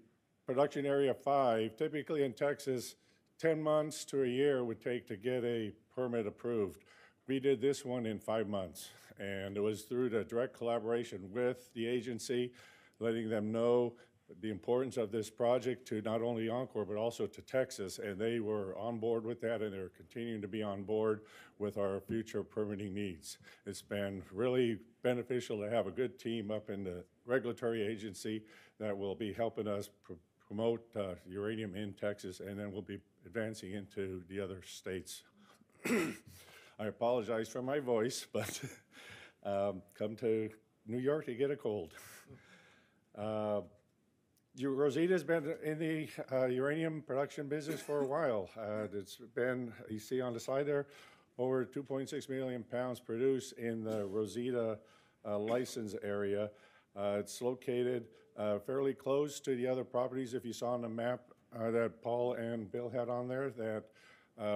production area five, typically in Texas, 10 months to a year would take to get a permit approved. We did this one in five months, and it was through the direct collaboration with the agency, letting them know the importance of this project to not only enCore but also to Texas. And they were on board with that, and they're continuing to be on board with our future permitting needs. It's been really beneficial to have a good team up in the regulatory agency that will be helping us promote uranium in Texas and then will be advancing into the other states. I apologize for my voice, but come to New York to get a cold. Rosita's been in the uranium production business for a while. You see on the side there over 2.6 million pounds produced in the Rosita license area. It's located fairly close to the other properties, if you saw on the map that Paul and Bill had on there, that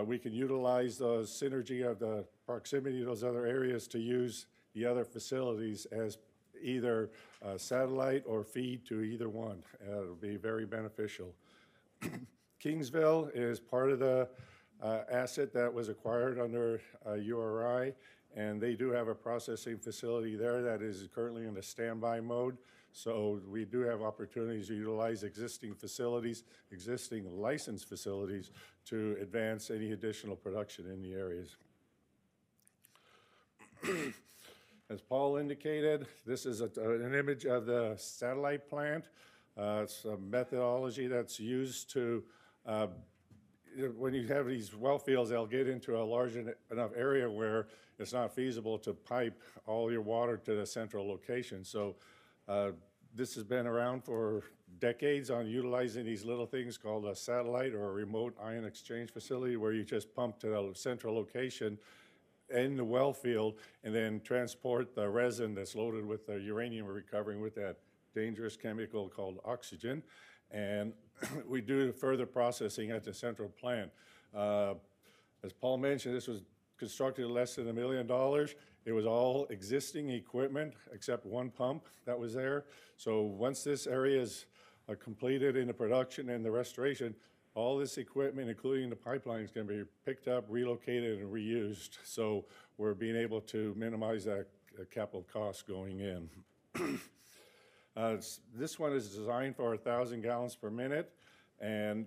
we can utilize the synergy of the proximity of those other areas to use the other facilities as either satellite or feed to either one. It'll be very beneficial. Kingsville is part of the asset that was acquired under URI, and they do have a processing facility there that is currently in a standby mode. So we do have opportunities to utilize existing facilities, existing licensed facilities, to advance any additional production in the areas. As Paul indicated, this is an image of the satellite plant. It's a methodology that's used to when you have these well fields, they'll get into a large enough area where it's not feasible to pipe all your water to the central location. So this has been around for decades on utilizing these little things called a satellite or a remote ion exchange facility where you just pump to the central location in the well field and then transport the resin that's loaded with the uranium we're recovering with that dangerous chemical called oxygen. And we do further processing at the central plant. As Paul mentioned, this was constructed for less than $1 million. It was all existing equipment except one pump that was there. So once this area is completed in the production and the restoration, all this equipment, including the pipelines, can be picked up, relocated, and reused. So we're being able to minimize that capital cost going in. This one is designed for 1,000 gallons per minute, and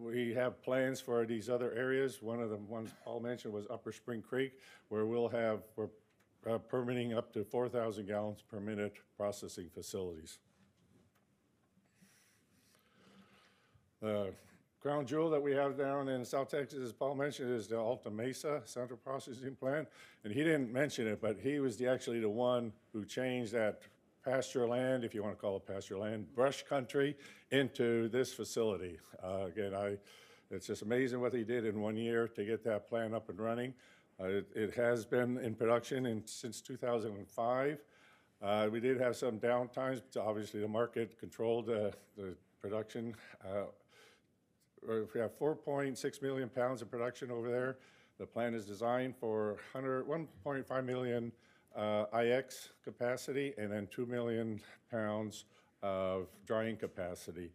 we have plans for these other areas. One of the ones Paul mentioned was Upper Spring Creek, where we're permitting up to 4,000 gallons per minute processing facilities. The crown jewel that we have down in South Texas, as Paul mentioned, is the Alta Mesa Central Processing Plant. He didn't mention it, but he was actually the one who changed that pasture land, if you want to call it pasture land, brush country, into this facility. Again, it's just amazing what he did in one year to get that plant up and running. It has been in production since 2005. We did have some downtimes, but obviously, the market controlled the production. We have 4.6 million pounds of production over there. The plant is designed for 1.5 million IX capacity and then 2 million pounds of drying capacity.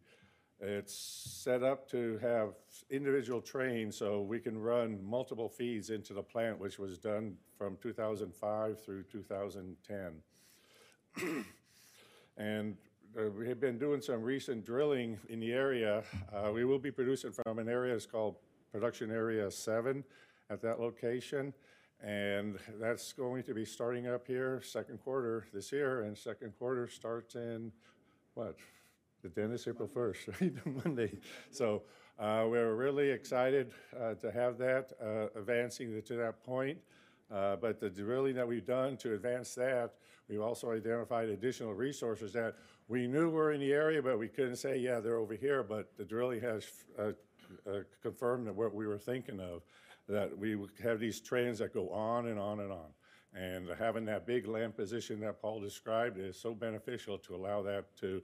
It's set up to have individual trains so we can run multiple feeds into the plant, which was done from 2005 through 2010. We have been doing some recent drilling in the area. We will be producing from an area that's called Production Area Seven at that location. That's going to be starting up here Q2 this year. Q2r starts in what? Dennis, April 1st, right? Monday. So we're really excited to have that advancing to that point. But the drilling that we've done to advance that, we've also identified additional resources that we knew were in the area, but we couldn't say, "Yeah, they're over here." But the drilling has confirmed what we were thinking of, that we have these trains that go on and on and on. And having that big land position that Paul described is so beneficial to allow that to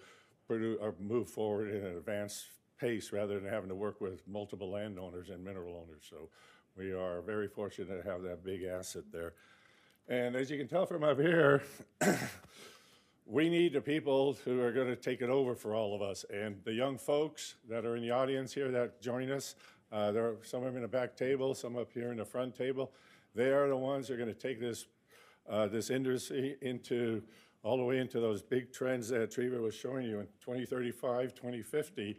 move forward in an advanced pace rather than having to work with multiple landowners and mineral owners. So we are very fortunate to have that big asset there. And as you can tell from up here, we need the people who are going to take it over for all of us. And the young folks that are in the audience here that join us, there are some of them in the back table, some up here in the front table. They are the ones who are going to take this industry all the way into those big trends that Trevor was showing you in 2035, 2050.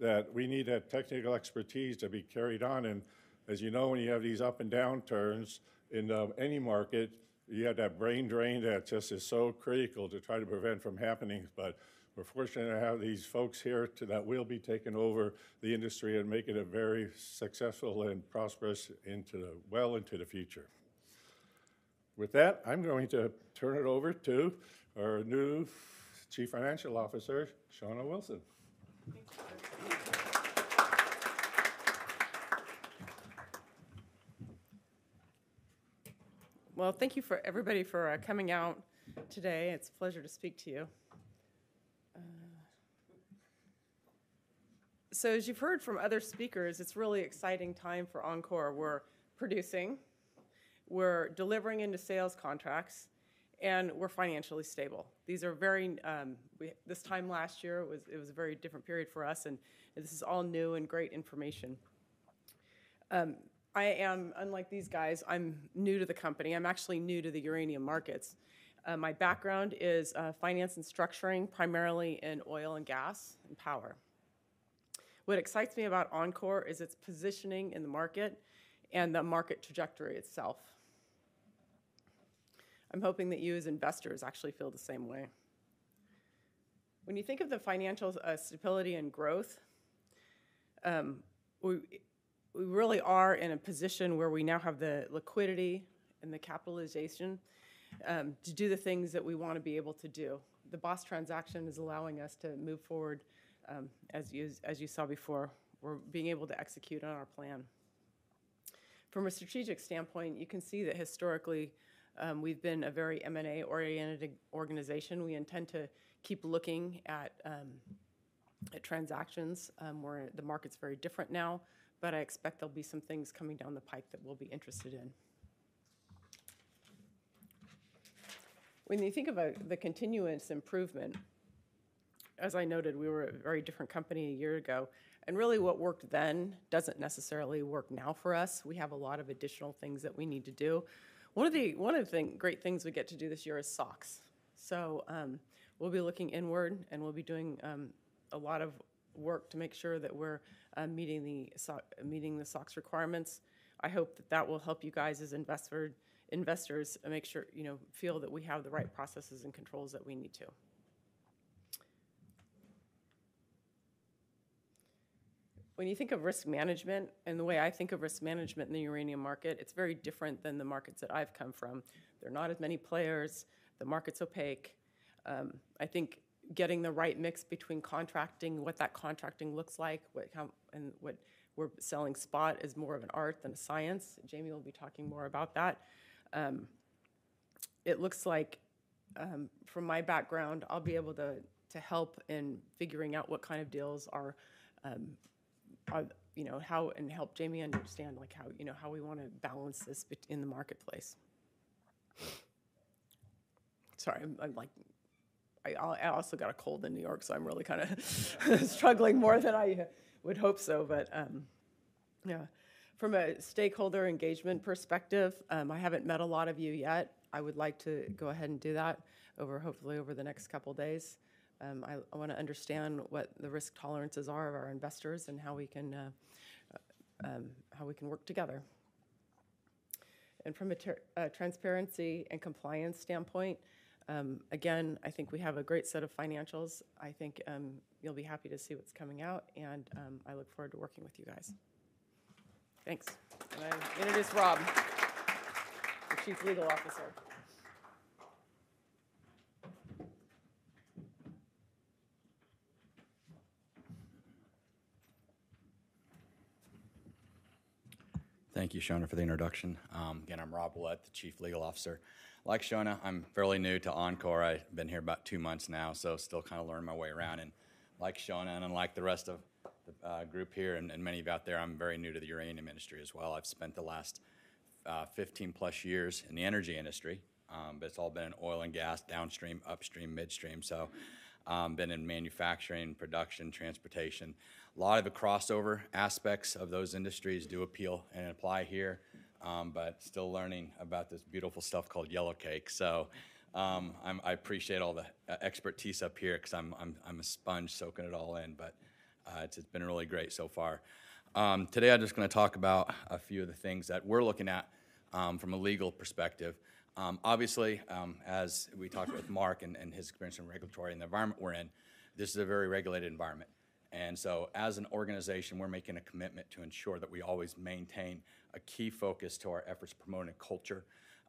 That we need that technical expertise to be carried on. And as you know, when you have these up and downturns in any market, you have that brain drain that just is so critical to try to prevent from happening. But we're fortunate to have these folks here that will be taking over the industry and making it very successful and prosperous well into the future. With that, I'm going to turn it over to our new Chief Financial Officer, Seonaid Wilson. Thank you, everybody. Well, thank you for everybody for coming out today. It's a pleasure to speak to you. So as you've heard from other speakers, it's really exciting time for enCore. We're producing. We're delivering into sales contracts. And we're financially stable. This time last year, it was a very different period for us, and this is all new and great information. I am, unlike these guys, I'm new to the company. I'm actually new to the uranium markets. My background is finance and structuring, primarily in oil and gas and power. What excites me about enCore is its positioning in the market and the market trajectory itself. I'm hoping that you, as investors, actually feel the same way. When you think of the financial stability and growth, we really are in a position where we now have the liquidity and the capitalization to do the things that we want to be able to do. The Boss transaction is allowing us to move forward, as you saw before, we're being able to execute on our plan. From a strategic standpoint, you can see that historically, we've been a very M&A-oriented organization. We intend to keep looking at transactions. The market's very different now, but I expect there'll be some things coming down the pipe that we'll be interested in. When you think of the continuous improvement, as I noted, we were a very different company a year ago. And really, what worked then doesn't necessarily work now for us. We have a lot of additional things that we need to do. One of the great things we get to do this year is SOX. We'll be looking inward, and we'll be doing a lot of work to make sure that we're meeting the SOX requirements. I hope that that will help you guys as investors feel that we have the right processes and controls that we need to. When you think of risk management and the way I think of risk management in the uranium market, it's very different than the markets that I've come from. There are not as many players. The market's opaque. I think getting the right mix between contracting, what that contracting looks like, and what we're selling spot is more of an art than a science. Jamie will be talking more about that. It looks like, from my background, I'll be able to help in figuring out what kind of deals are how and help Jamie understand how we want to balance this in the marketplace. Sorry. I also got a cold in New York, so I'm really kind of struggling more than I would hope so. But yeah, from a stakeholder engagement perspective, I haven't met a lot of you yet. I would like to go ahead and do that, hopefully over the next couple of days. I want to understand what the risk tolerances are of our investors and how we can work together. And from a transparency and compliance standpoint, again, I think we have a great set of financials. I think you'll be happy to see what's coming out, and I look forward to working with you guys. Thanks. Can I introduce Rob, the Chief Legal Officer? Thank you, Shona, for the introduction. Again, I'm Rob Willette, the Chief Legal Officer. Like Shona, I'm fairly new to enCore. I've been here about 2 months now, so still kind of learning my way around. And like Shona and unlike the rest of the group here and many of you out there, I'm very new to the uranium industry as well. I've spent the last 15+ years in the energy industry, but it's all been in oil and gas, downstream, upstream, midstream. So I've been in manufacturing, production, transportation. A lot of the crossover aspects of those industries do appeal and apply here, but still learning about this beautiful stuff called Yellow Cake. So I appreciate all the expertise up here because I'm a sponge soaking it all in, but it's been really great so far. Today, I'm just going to talk about a few of the things that we're looking at from a legal perspective. Obviously, as we talked with Mark and his experience in regulatory and the environment we're in, this is a very regulated environment. And so as an organization, we're making a commitment to ensure that we always maintain a key focus to our efforts promoting a culture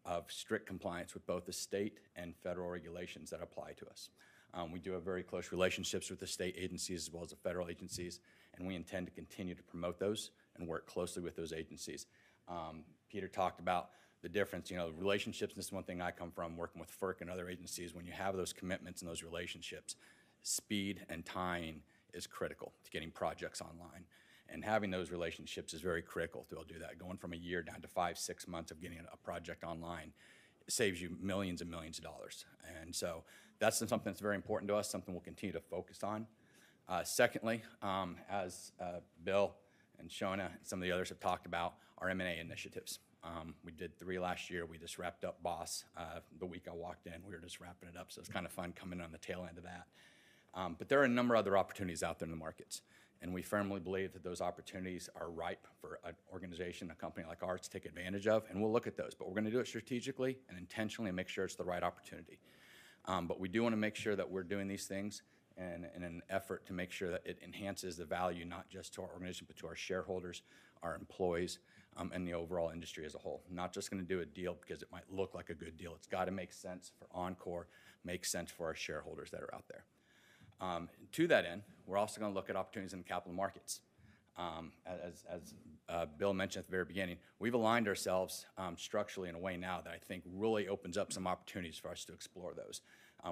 of strict compliance with both the state and federal regulations that apply to us. We do have very close relationships with the state agencies as well as the federal agencies, and we intend to continue to promote those and work closely with those agencies. Peter talked about the difference. The relationships is one thing I come from working with FERC and other agencies. When you have those commitments and those relationships, speed and timing is critical to getting projects online. Having those relationships is very critical to be able to do that. Going from a year down to 5-6 months of getting a project online saves you $millions and millions. So that's something that's very important to us, something we'll continue to focus on. Secondly, as Bill and Shona and some of the others have talked about, our M&A initiatives. We did 3 last year. We just wrapped up Boss. The week I walked in, we were just wrapping it up. So it's kind of fun coming on the tail end of that. But there are a number of other opportunities out there in the markets. And we firmly believe that those opportunities are ripe for an organization, a company like ours, to take advantage of. We'll look at those, but we're going to do it strategically and intentionally and make sure it's the right opportunity. We do want to make sure that we're doing these things in an effort to make sure that it enhances the value not just to our organization, but to our shareholders, our employees, and the overall industry as a whole. Not just going to do a deal because it might look like a good deal. It's got to make sense for enCore, make sense for our shareholders that are out there. To that end, we're also going to look at opportunities in the capital markets. As Bill mentioned at the very beginning, we've aligned ourselves structurally in a way now that I think really opens up some opportunities for us to explore those.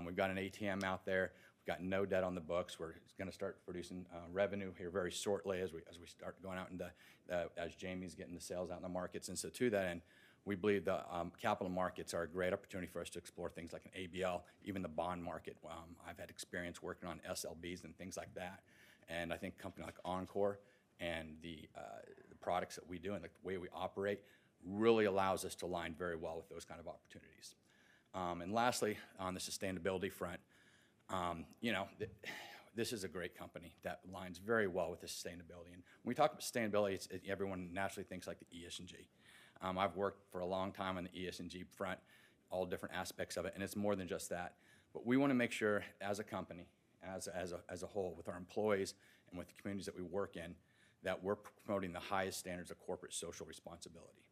We've got an ATM out there. We've got no debt on the books. We're going to start producing revenue here very shortly as we start going out into, as Jamie's getting the sales out in the markets. So to that end, we believe the capital markets are a great opportunity for us to explore things like an ABL, even the bond market. I've had experience working on SLBs and things like that. And I think a company like enCore and the products that we do and the way we operate really allows us to align very well with those kinds of opportunities. And lastly, on the sustainability front, this is a great company that aligns very well with the sustainability. And when we talk about sustainability, everyone naturally thinks like the ESG. I've worked for a long time on the ESG front, all different aspects of it. And it's more than just that. But we want to make sure as a company, as a whole, with our employees and with the communities that we work in, that we're promoting the highest standards of corporate social responsibility.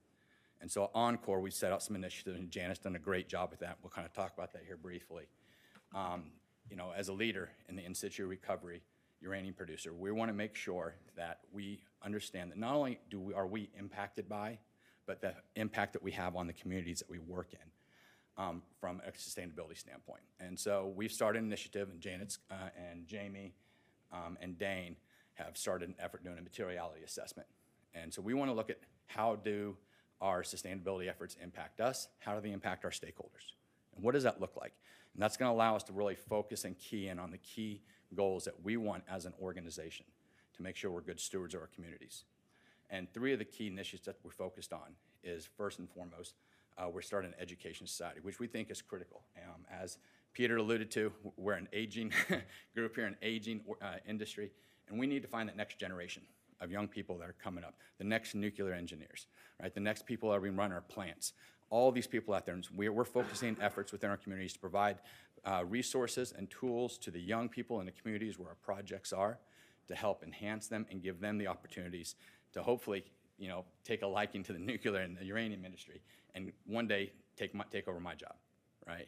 And so at enCore, we've set out some initiatives, and Janet has done a great job with that. We'll kind of talk about that here briefly. As a leader in the in-situ recovery uranium producer, we want to make sure that we understand that not only are we impacted by, but the impact that we have on the communities that we work in from a sustainability standpoint. And so we've started an initiative, and Janet and Jamie and Dane have started an effort doing a materiality assessment. And so we want to look at how do our sustainability efforts impact us? How do they impact our stakeholders? And what does that look like? That's going to allow us to really focus and key in on the key goals that we want as an organization to make sure we're good stewards of our communities. Three of the key initiatives that we're focused on is, first and foremost, we're starting an education society, which we think is critical. As Peter alluded to, we're an aging group here, an aging industry. We need to find that next generation of young people that are coming up, the next nuclear engineers, right? The next people that are going to run our plants. All these people out there, we're focusing efforts within our communities to provide resources and tools to the young people in the communities where our projects are to help enhance them and give them the opportunities to hopefully take a liking to the nuclear and the uranium industry and one day take over my job, right?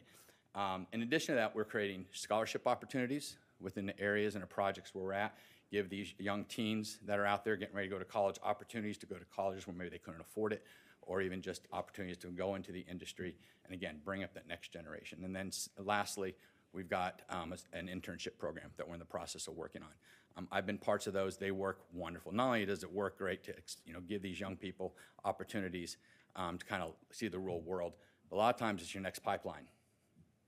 In addition to that, we're creating scholarship opportunities within the areas and the projects where we're at, give these young teens that are out there getting ready to go to college opportunities to go to colleges where maybe they couldn't afford it, or even just opportunities to go into the industry and, again, bring up that next generation. Then lastly, we've got an internship program that we're in the process of working on. I've been part of those. They work wonderfully. Not only does it work great to give these young people opportunities to kind of see the real world, but a lot of times, it's your next pipeline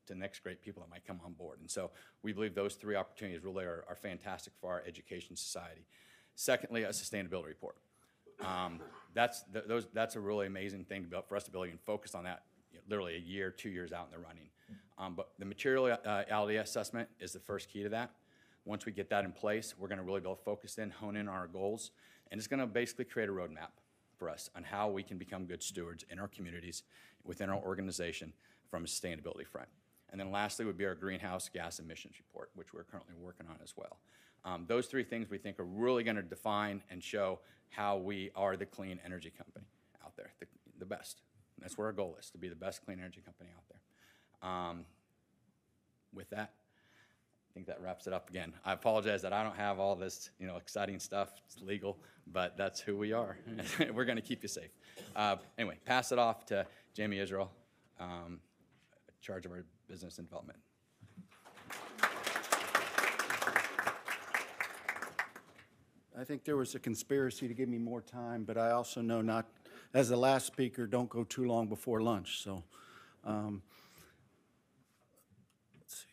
to the next great people that might come on board. And so we believe those three opportunities really are fantastic for our education society. Secondly, a sustainability report. That's a really amazing thing for us to be able to even focus on that literally a year, two years out in the running. But the materiality assessment is the first key to that. Once we get that in place, we're going to really be able to focus in, hone in on our goals. And it's going to basically create a roadmap for us on how we can become good stewards in our communities, within our organization, from a sustainability front. And then lastly would be our greenhouse gas emissions report, which we're currently working on as well. Those three things we think are really going to define and show how we are the clean energy company out there, the best. That's where our goal is, to be the best clean energy company out there. With that, I think that wraps it up again. I apologize that I don't have all this exciting stuff. It's legal, but that's who we are. We're going to keep you safe. Anyway, pass it off to Jamie Israel, in charge of our business and development. I think there was a conspiracy to give me more time, but I also know, not as the last speaker, don't go too long before lunch. So let's see.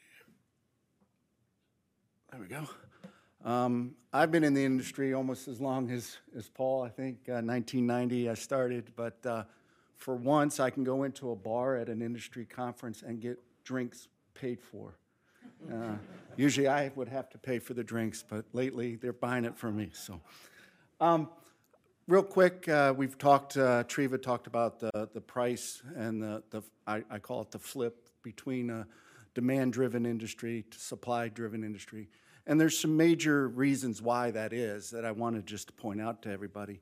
There we go. I've been in the industry almost as long as Paul. I think 1990 I started. But for once, I can go into a bar at an industry conference and get drinks paid for. Usually, I would have to pay for the drinks, but lately, they're buying it for me. So real quick, we've talked. Treva talked about the price and the, I call it, the flip between a demand-driven industry to supply-driven industry. And there's some major reasons why that is that I want to just point out to everybody.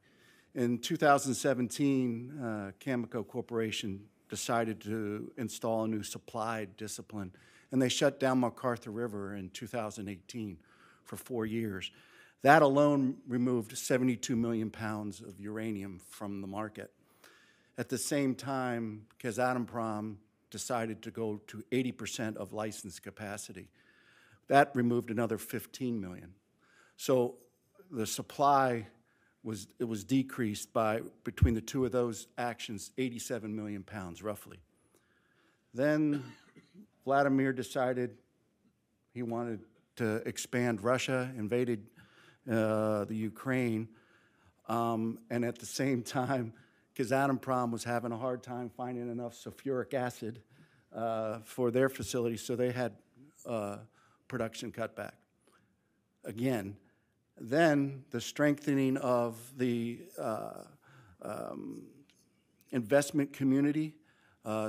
In 2017, Cameco Corporation decided to install a new supply discipline, and they shut down McArthur River in 2018 for four years. That alone removed 72 million pounds of uranium from the market. At the same time, Kazatomprom decided to go to 80% of licensed capacity. That removed another 15 million. So the supply was decreased by between the two of those actions, 87 million pounds, roughly. Then Vladimir decided he wanted to expand Russia, invaded the Ukraine. And at the same time, Kazatomprom was having a hard time finding enough sulfuric acid for their facilities, so they had production cut back. Again, then the strengthening of the investment community,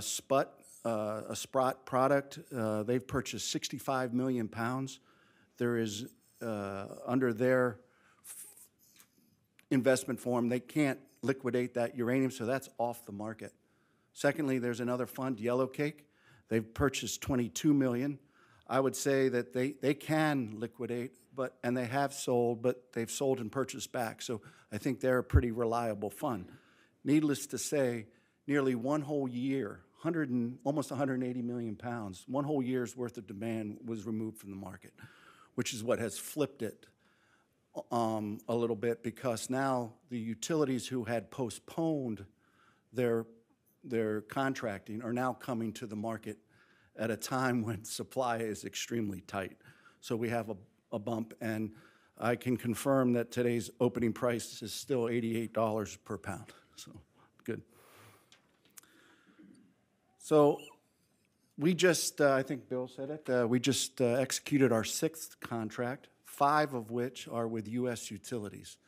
SPUT, a Sprott product, they've purchased 65 million pounds. Under their investment form, they can't liquidate that uranium, so that's off the market. Secondly, there's another fund, Yellow Cake. They've purchased 22 million. I would say that they can liquidate, but and they have sold, but they've sold and purchased back. So I think they're a pretty reliable fund. Needless to say, nearly one whole year, almost 180 million pounds, one whole year's worth of demand was removed from the market, which is what has flipped it a little bit because now the utilities who had postponed their contracting are now coming to the market at a time when supply is extremely tight. So we have a bump. And I can confirm that today's opening price is still $88 per pound. So good. So we just, I think Bill said it. We just executed our sixth contract, five of which are with U.S. utilities.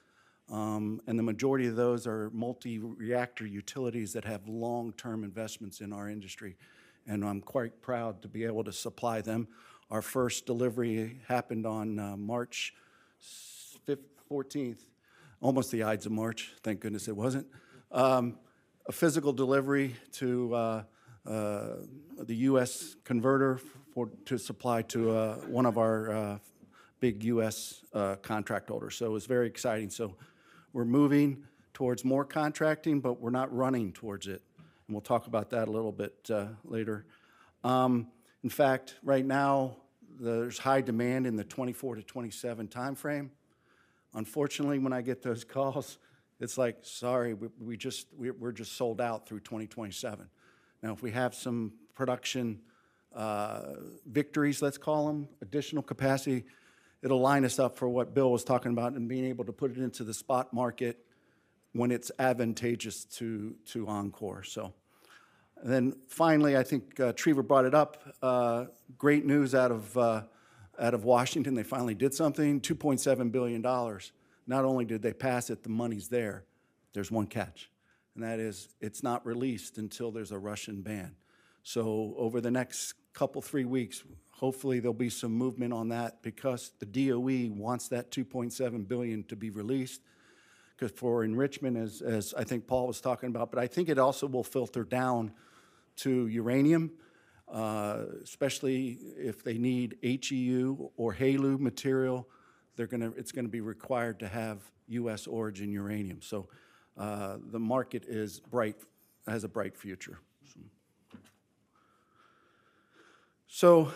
And the majority of those are multi-reactor utilities that have long-term investments in our industry. And I'm quite proud to be able to supply them. Our first delivery happened on March 14th, almost the Ides of March. Thank goodness it wasn't. A physical delivery to the U.S. converter to supply to one of our big U.S. contract holders. So it was very exciting. So we're moving towards more contracting, but we're not running towards it. And we'll talk about that a little bit later. In fact, right now, there's high demand in the 2024-2027 time frame. Unfortunately, when I get those calls, it's like, "Sorry, we're just sold out through 2027." Now, if we have some production victories, let's call them, additional capacity, it'll line us up for what Bill was talking about and being able to put it into the spot market when it's advantageous to enCore. So then finally, I think Treva brought it up. Great news out of Washington. They finally did something, $2.7 billion. Not only did they pass it, the money's there. There's one catch. It's not released until there's a Russian ban. So over the next couple, three weeks, hopefully, there'll be some movement on that because the DOE wants that $2.7 billion to be released because for enrichment, as I think Paul was talking about, but I think it also will filter down to uranium, especially if they need HEU or HALEU material, it's going to be required to have U.S. origin uranium. So the market has a bright future. So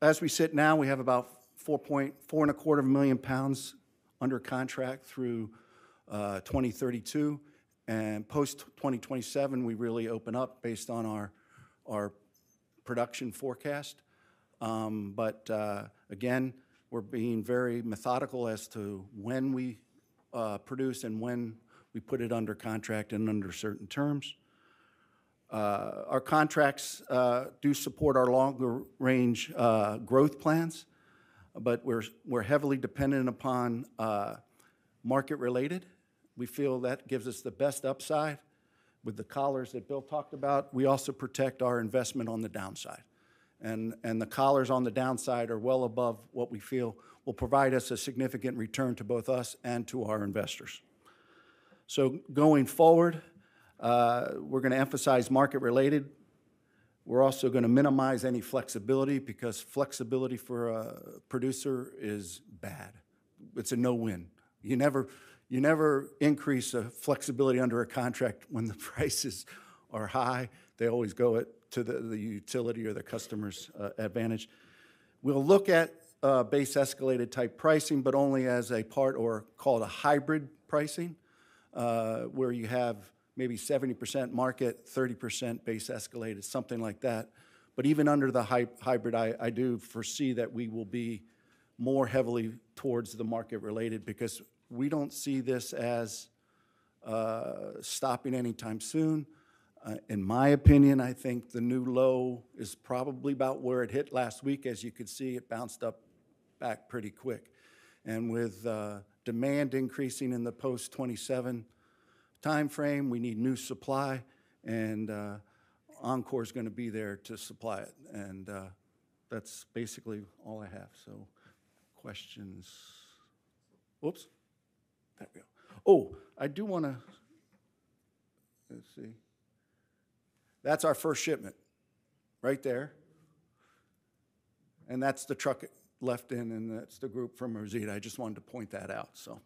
as we sit now, we have about 4.65 million pounds under contract through 2032. And post-2027, we really open up based on our production forecast. But again, we're being very methodical as to when we produce and when we put it under contract and under certain terms. Our contracts do support our longer-range growth plans, but we're heavily dependent upon market-related. We feel that gives us the best upside. With the collars that Bill talked about, we also protect our investment on the downside. And the collars on the downside are well above what we feel will provide us a significant return to both us and to our investors. So going forward, we're going to emphasize market-related. We're also going to minimize any flexibility because flexibility for a producer is bad. It's a no-win. You never increase flexibility under a contract when the prices are high. They always go to the utility or the customer's advantage. We'll look at base-escalated type pricing, but only as a part or called a hybrid pricing, where you have maybe 70% market, 30% base-escalated, something like that. But even under the hybrid, I do foresee that we will be more heavily towards the market-related because we don't see this as stopping anytime soon. In my opinion, I think the new low is probably about where it hit last week. As you can see, it bounced up back pretty quick. With demand increasing in the post-2027 time frame, we need new supply, and enCore is going to be there to supply it. That's basically all I have. So questions? Oops. There we go. Oh, I do want to. Let's see. That's our first shipment right there. That's the truck left in, and that's the group from Mesteña. I just wanted to point that out, so.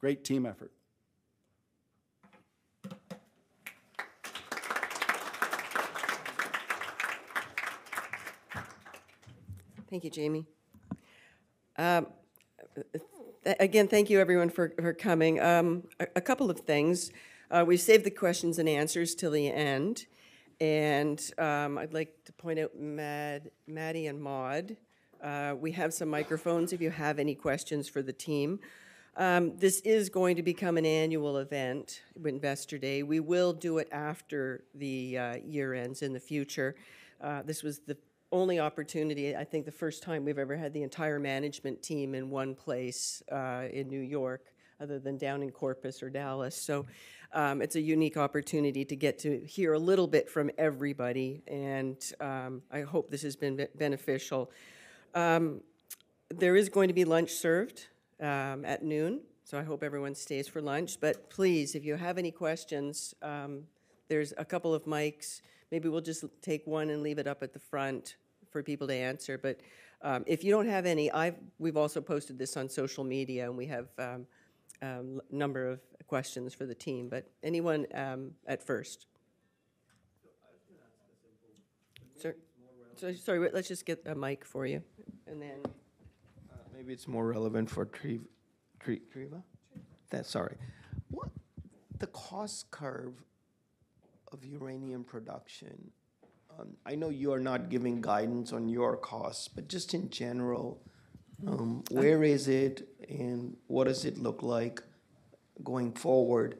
Great team effort. Thank you, Jamie. Again, thank you, everyone, for coming. A couple of things. We've saved the questions and answers till the end. I'd like to point out Maddie and Maud. We have some microphones if you have any questions for the team. This is going to become an annual event with Investor Day. We will do it after the year ends in the future. This was the only opportunity, I think the first time we've ever had the entire management team in one place in New York other than down in Corpus or Dallas. It's a unique opportunity to get to hear a little bit from everybody. I hope this has been beneficial. There is going to be lunch served at noon, so I hope everyone stays for lunch. Please, if you have any questions, there's a couple of mics. Maybe we'll just take one and leave it up at the front for people to answer. But if you don't have any, we've also posted this on social media, and we have a number of questions for the team. But anyone at first? I was going to ask a simple but maybe it's more relevant. Sorry. Let's just get a mic for you. And then. Maybe it's more relevant for Treva. Sorry. The cost curve of uranium production. I know you are not giving guidance on your costs, but just in general, where is it, and what does it look like going forward?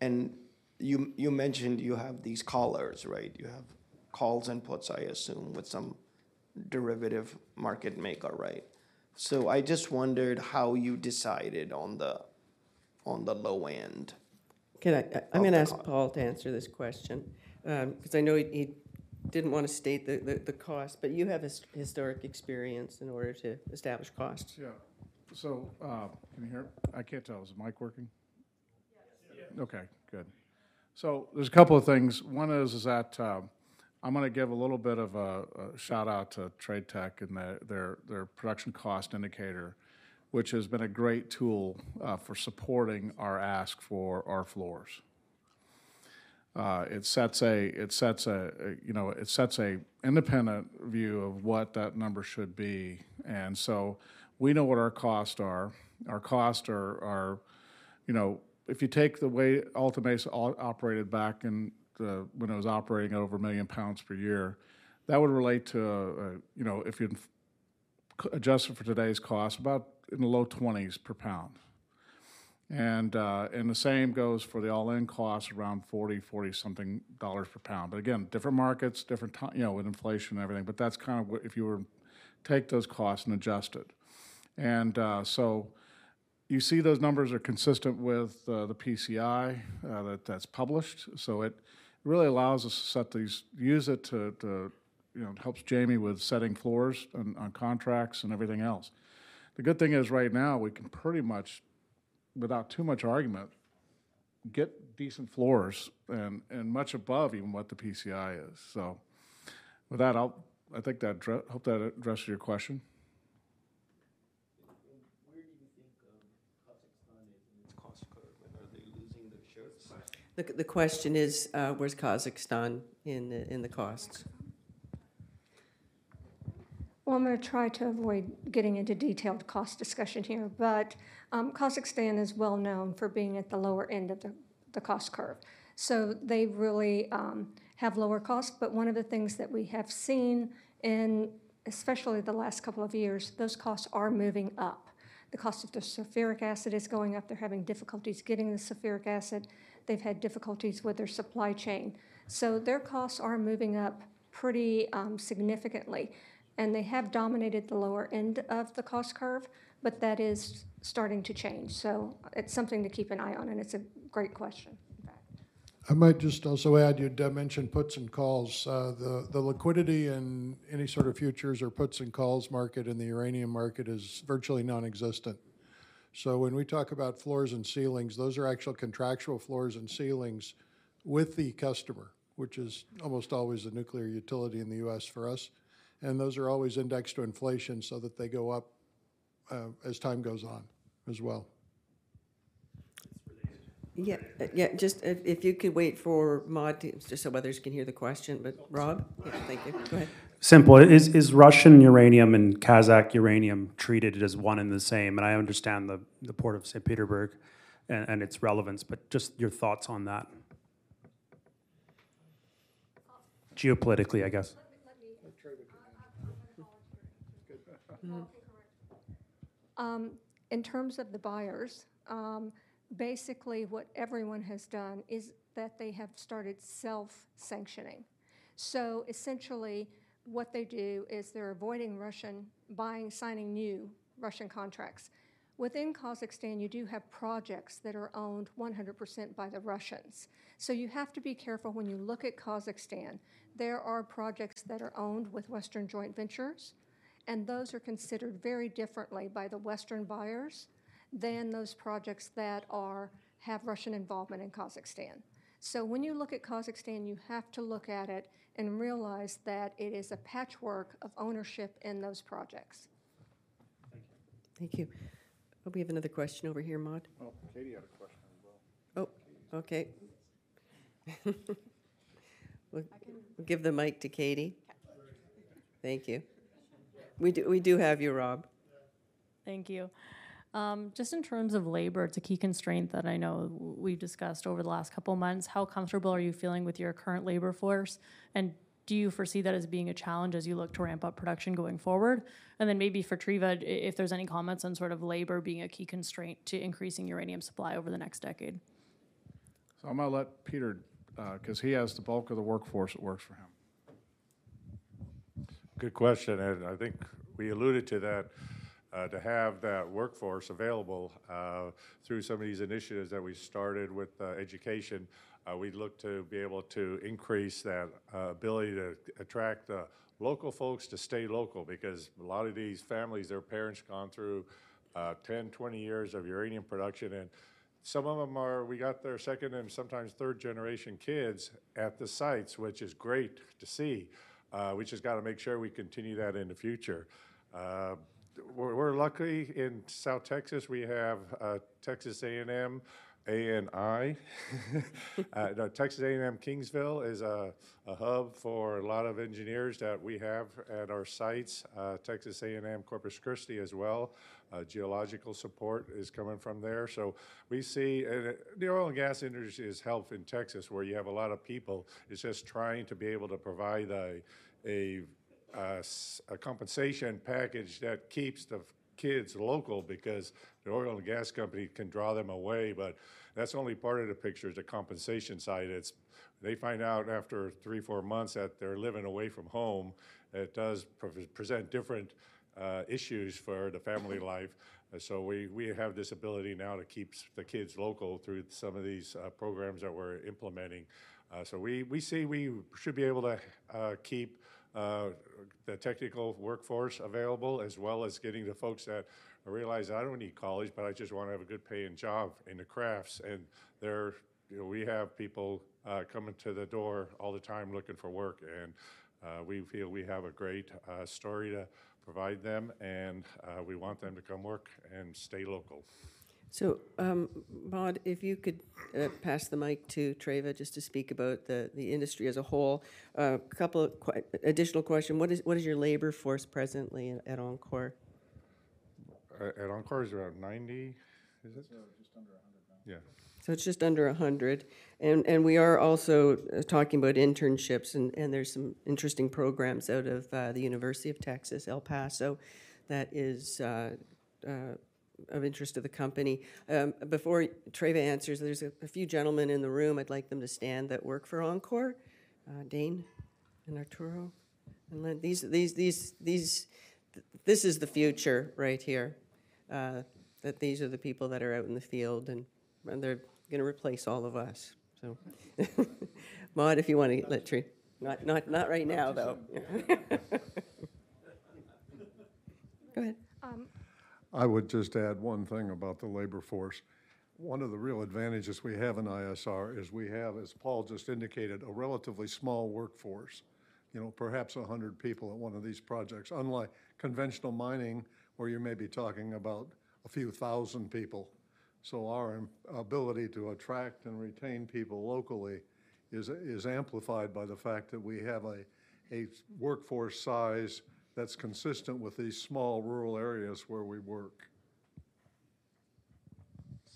And you mentioned you have these collars, right? You have calls and puts, I assume, with some derivative market maker, right? So I just wondered how you decided on the low end. Can I? I'm going to ask Paul to answer this question because I know he didn't want to state the cost. But you have historic experience in order to establish costs. Yeah. So can you hear it? I can't tell. Is the mic working? Yes. Yeah. Okay. Good. So there's a couple of things. One is that I'm going to give a little bit of a shout-out to TradeTech and their production cost indicator, which has been a great tool for supporting our ask for our floors. It sets a it sets a independent view of what that number should be. And so we know what our costs are. Our costs are if you take the way Alta Mesa operated back when it was operating over 1 million pounds per year, that would relate to if you adjusted for today's cost, about in the low 20s per pound. And the same goes for the all-in cost, around $40-$40-something per pound. But again, different markets, different with inflation and everything. But that's kind of if you were take those costs and adjust it. And so you see those numbers are consistent with the PCI that's published. So, it really allows us to set these, use it to, it helps Jamie with setting floors on contracts and everything else. The good thing is, right now, we can pretty much, without too much argument, get decent floors and much above even what the PCI is. So, with that, I'll I think that hope that addressed your question. Where do you think Kazakhstan is in its cost curve? Are they losing their share of the question? The question is, where's Kazakhstan in the costs? Well, I'm going to try to avoid getting into detailed cost discussion here. But Kazakhstan is well known for being at the lower end of the cost curve. So they really have lower costs. But one of the things that we have seen in especially the last couple of years, those costs are moving up. The cost of the sulfuric acid is going up. They're having difficulties getting the sulfuric acid. They've had difficulties with their supply chain. So their costs are moving up pretty significantly. And they have dominated the lower end of the cost curve, but that is starting to change. So it's something to keep an eye on. And it's a great question, in fact. I might just also add you mentioned puts and calls. The liquidity in any sort of futures or puts and calls market in the uranium market is virtually nonexistent. So when we talk about floors and ceilings, those are actual contractual floors and ceilings with the customer, which is almost always a nuclear utility in the U.S. for us. Those are always indexed to inflation so that they go up as time goes on as well. Yeah. Yeah. Just if you could wait for Maud, just so others can hear the question. But Rob? Yeah. Thank you. Go ahead. Simple. Is Russian uranium and Kazakh uranium treated as one and the same? And I understand the Port of St. Petersburg and its relevance, but just your thoughts on that. Geopolitically, I guess. Let me, I'm going to call it your answer. In terms of the buyers, basically, what everyone has done is that they have started self-sanctioning. So essentially, what they do is they're avoiding Russian buying, signing new Russian contracts. Within Kazakhstan, you do have projects that are owned 100% by the Russians. So you have to be careful when you look at Kazakhstan. There are projects that are owned with Western joint ventures, and those are considered very differently by the Western buyers than those projects that have Russian involvement in Kazakhstan. So when you look at Kazakhstan, you have to look at it and realize that it is a patchwork of ownership in those projects. Thank you. Thank you. We have another question over here, Maud. Oh, Katie had a question as well. Oh. Okay. We'll give the mic to Katie. Thank you. We do have you, Rob. Thank you. Just in terms of labor, it's a key constraint that I know we've discussed over the last couple of months. How comfortable are you feeling with your current labor force? Do you foresee that as being a challenge as you look to ramp up production going forward? Then maybe for Treva, if there's any comments on sort of labor being a key constraint to increasing uranium supply over the next decade. I'm going to let Peter because he has the bulk of the workforce. It works for him. Good question. And I think we alluded to that, to have that workforce available through some of these initiatives that we started with education, we'd look to be able to increase that ability to attract the local folks to stay local because a lot of these families, their parents gone through 10, 20 years of uranium production. And some of them are we got their second- and sometimes third-generation kids at the sites, which is great to see. We just got to make sure we continue that in the future. We're lucky in South Texas. We have Texas A&M A&I. Texas A&M Kingsville is a hub for a lot of engineers that we have at our sites, Texas A&M Corpus Christi as well. Geological support is coming from there. So we see and the oil and gas industry is help in Texas where you have a lot of people. It's just trying to be able to provide a compensation package that keeps the kids local because the oil and gas company can draw them away. But that's only part of the picture, the compensation side. They find out after 3, 4 months that they're living away from home. It does present different issues for the family life. So we have this ability now to keep the kids local through some of these programs that we're implementing. So we see we should be able to keep the technical workforce available as well as getting the folks that realize, "I don't need college, but I just want to have a good paying job in the crafts." And we have people coming to the door all the time looking for work. And we feel we have a great story to provide them. And we want them to come work and stay local. Maud, if you could pass the mic to Treva just to speak about the industry as a whole. A couple of additional questions. What is your labor force presently at enCore? At enCore, it's around 90, is it? No, just under 100 now. Yeah. It's just under 100. We are also talking about internships. There's some interesting programs out of the University of Texas, El Paso. That is of interest to the company. Before Treva answers, there's a few gentlemen in the room. I'd like them to stand that work for enCore, Dane and Arturo and Len. This is the future right here, that these are the people that are out in the field, and they're going to replace all of us. So Maud, if you want to let not right now, though. Go ahead. I would just add one thing about the labor force. One of the real advantages we have in ISR is we have, as Paul just indicated, a relatively small workforce, perhaps 100 people at one of these projects, unlike conventional mining where you may be talking about a few thousand people. So our ability to attract and retain people locally is amplified by the fact that we have a workforce size that's consistent with these small rural areas where we work.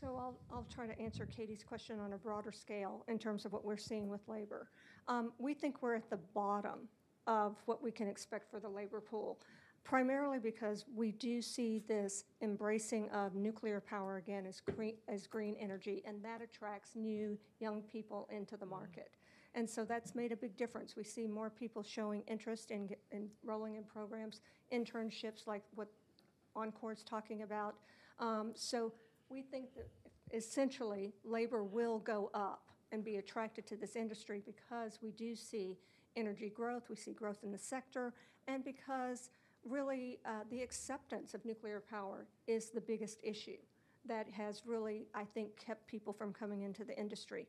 So I'll try to answer Katie's question on a broader scale in terms of what we're seeing with labor. We think we're at the bottom of what we can expect for the labor pool, primarily because we do see this embracing of nuclear power again as green energy. And that attracts new, young people into the market. And so that's made a big difference. We see more people showing interest in enrolling in programs, internships like what enCore is talking about. So we think that, essentially, labor will go up and be attracted to this industry because we do see energy growth. We see growth in the sector. And because, really, the acceptance of nuclear power is the biggest issue that has really, I think, kept people from coming into the industry.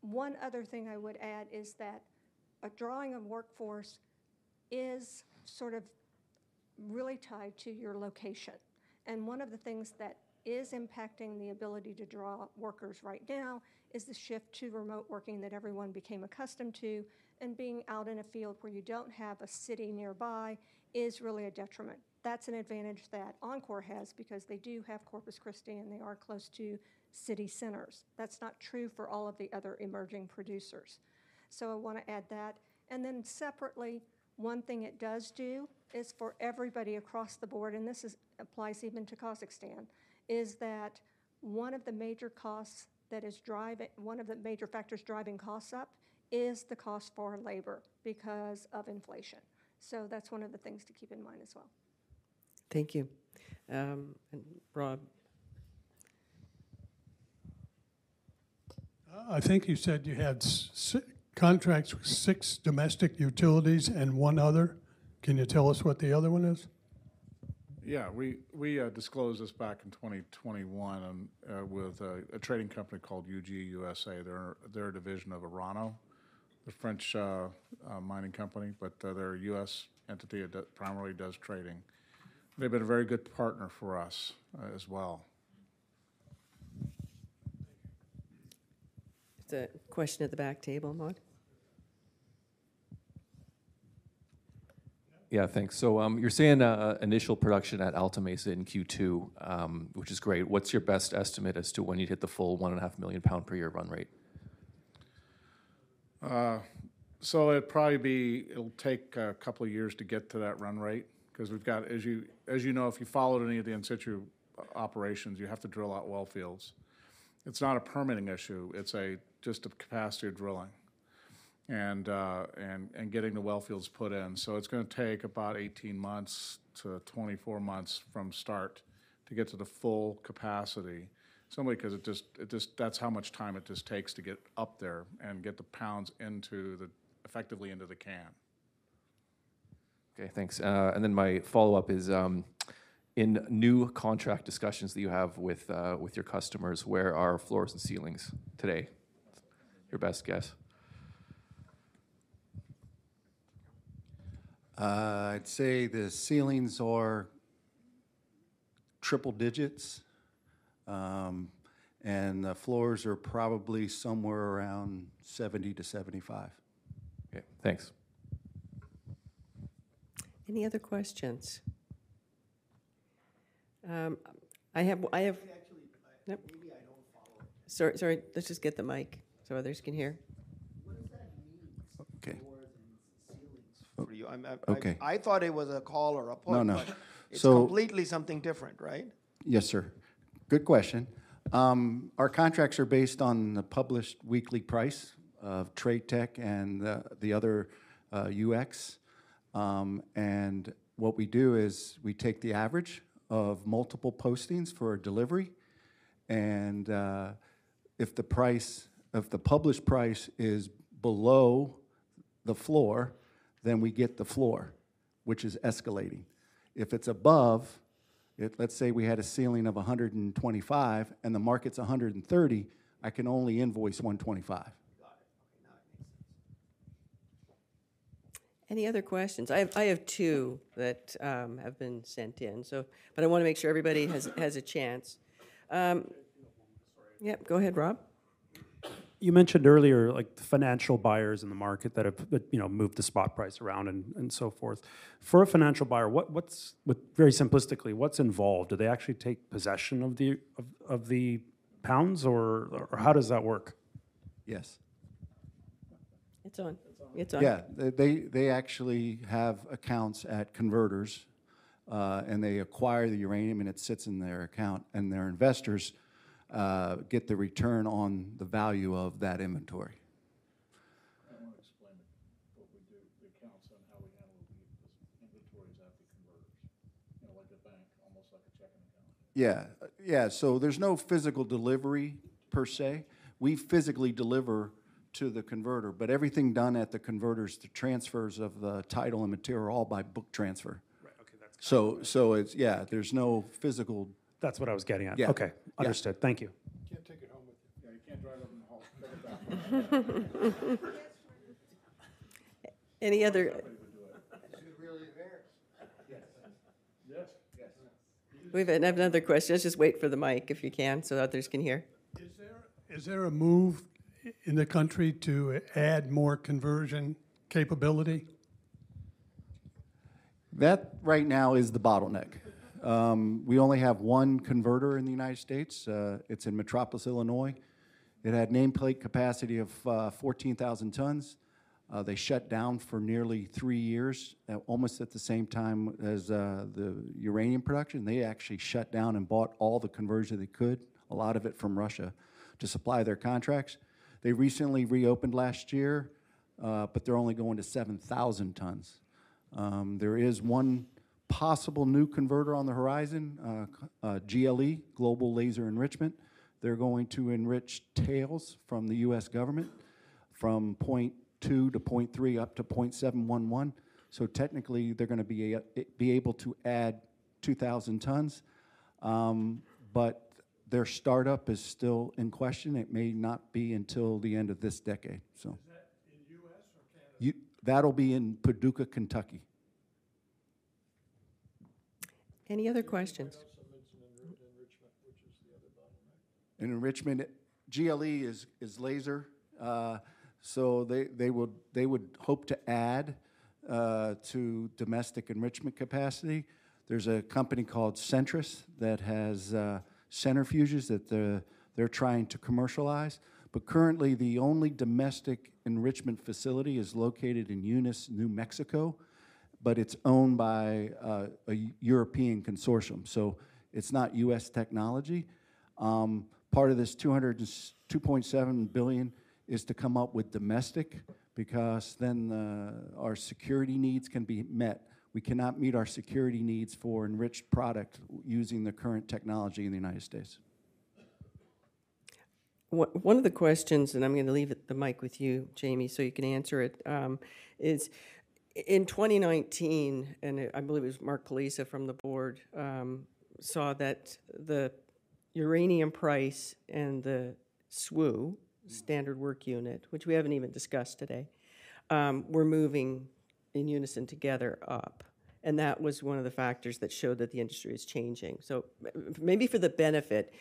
One other thing I would add is that a drawing of workforce is sort of really tied to your location. And one of the things that is impacting the ability to draw workers right now is the shift to remote working that everyone became accustomed to. And being out in a field where you don't have a city nearby is really a detriment. That's an advantage that enCore has because they do have Corpus Christi, and they are close to city centers. That's not true for all of the other emerging producers. So I want to add that. And then separately, one thing it does do is for everybody across the board and this applies even to Kazakhstan is that one of the major costs that is driving one of the major factors driving costs up is the cost for labor because of inflation. That's one of the things to keep in mind as well. Thank you. And Rob? I think you said you had contracts with six domestic utilities and one other. Can you tell us what the other one is? Yeah. We disclosed this back in 2021 with a trading company called UG U.S.A. They're a division of Orano, the French mining company. But their U.S. entity primarily does trading. They've been a very good partner for us as well. Is there a question at the back table, Maud? Yeah. Thanks. So you're saying initial production at Alta Mesa in Q2, which is great. What's your best estimate as to when you'd hit the full 1.5 million pounds per year run rate? So it'd probably be it'll take a couple of years to get to that run rate because we've got, as you know, if you followed any of the in-situ operations, you have to drill out well fields. It's not a permitting issue. It's just a capacity of drilling and getting the well fields put in. So it's going to take about 18-24 months from start to get to the full capacity, simply because it just that's how much time it just takes to get up there and get the pounds effectively into the can. Okay. Thanks. Then my follow-up is, in new contract discussions that you have with your customers, where are floors and ceilings today? Your best guess. I'd say the ceilings are triple digits. The floors are probably somewhere around $70-$75. Okay. Thanks. Any other questions? I have actually, maybe I don't follow it. Sorry. Let's just get the mic so others can hear. What does that mean, floors and ceilings, for you? I thought it was a call or a point. But it's completely something different, right? Yes, sir. Good question. Our contracts are based on the published weekly price of TradeTech and the other UX. And what we do is we take the average of multiple postings for a delivery. And if the price of the published price is below the floor, then we get the floor, which is escalating. If it's above, let's say we had a ceiling of $125, and the market's $130, I can only invoice $125. Got it. Okay. Now that makes sense. Any other questions? I have two that have been sent in. But I want to make sure everybody has a chance. Yep. Go ahead, Rob. You mentioned earlier financial buyers in the market that have moved the spot price around and so forth. For a financial buyer, very simplistically, what's involved? Do they actually take possession of the pounds, or how does that work? Yes. It's on. It's on. Yeah. They actually have accounts at converters. They acquire the uranium, and it sits in their account. Their investors get the return on the value of that inventory. I want to explain what we do, the accounts on how we handle the inventories at the converters, like a bank, almost like a checking account. Yeah. Yeah. So there's no physical delivery per se. We physically deliver to the converter. But everything done at the converters, the transfers of the title and material, all by book transfer. Right. Okay. That's good. So yeah, there's no physical. That's what I was getting at. Okay. Understood. Thank you. You can't take it home with you. Yeah. You can't drive it in the hall. Take it back. Any other. Everybody would do it. She's really there. Yes. Yes. We have another question. Let's just wait for the mic, if you can, so others can hear. Is there a move in the country to add more conversion capability? That right now is the bottleneck. We only have one converter in the United States. It's in Metropolis, Illinois. It had nameplate capacity of 14,000 tons. They shut down for nearly three years, almost at the same time as the uranium production. They actually shut down and bought all the conversion they could, a lot of it from Russia, to supply their contracts. They recently reopened last year. But they're only going to 7,000 tons. There is one possible new converter on the horizon, GLE, Global Laser Enrichment. They're going to enrich tails from the U.S. government from 0.2-0.3, up to 0.711. So technically, they're going to be able to add 2,000 tons. But their startup is still in question. It may not be until the end of this decade, so. Is that in U.S. or Canada? That'll be in Paducah, Kentucky. Any other questions? You also mentioned enrichment, which is the other bottleneck. Enrichment, GLE is laser. So they would hope to add to domestic enrichment capacity. There's a company called Centris that has centrifuges that they're trying to commercialize. But currently, the only domestic enrichment facility is located in Eunice, New Mexico. But it's owned by a European consortium. So it's not U.S. technology. Part of this $2.7 billion is to come up with domestic because then our security needs can be met. We cannot meet our security needs for enriched products using the current technology in the United States. One of the questions, and I'm going to leave the mic with you, Jamie, so you can answer it, is, in 2019 and I believe it was Mark Pelizza from the board saw that the uranium price and the SWU, Separative Work Unit, which we haven't even discussed today, were moving in unison together up. And that was one of the factors that showed that the industry is changing. So maybe for the benefit,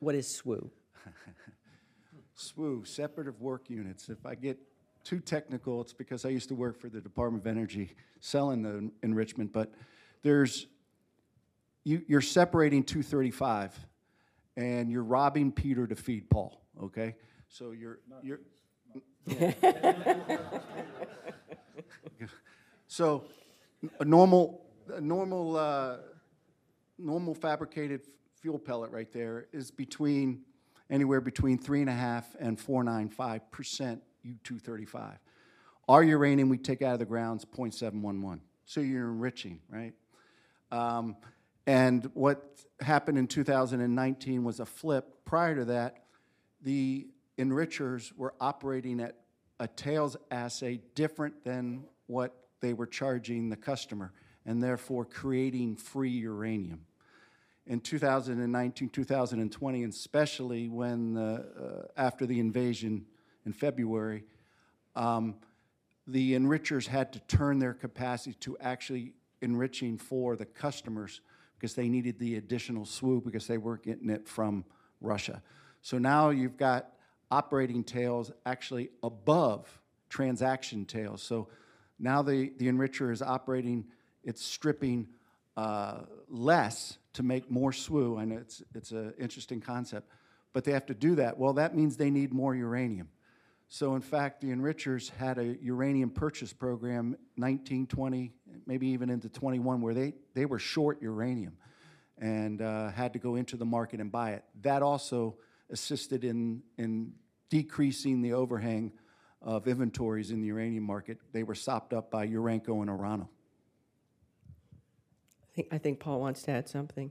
what is SWU? SWU, Separative Work Units. If I get too technical, it's because I used to work for the Department of Energy selling the enrichment. But you're separating 235. And you're robbing Peter to feed Paul, OK? So you're. Not Peter. So a normal fabricated fuel pellet right there is anywhere between 3.5%-4.95% U-235. Our uranium, we take out of the grounds, 0.711. So you're enriching, right? And what happened in 2019 was a flip. Prior to that, the enrichers were operating at a tails assay different than what they were charging the customer, and therefore creating free uranium. In 2019, 2020, and especially after the invasion in February, the enrichers had to turn their capacity to actually enriching for the customers because they needed the additional SWU because they weren't getting it from Russia. So now you've got operating tails actually above transaction tails. So now the enricher is operating its stripping less to make more SWU. And it's an interesting concept. But they have to do that. Well, that means they need more uranium. So in fact, the enrichers had a uranium purchase program in 1920, maybe even into 1921, where they were short uranium and had to go into the market and buy it. That also assisted in decreasing the overhang of inventories in the uranium market. They were soaked up by Urenco and Orano. I think Paul wants to add something.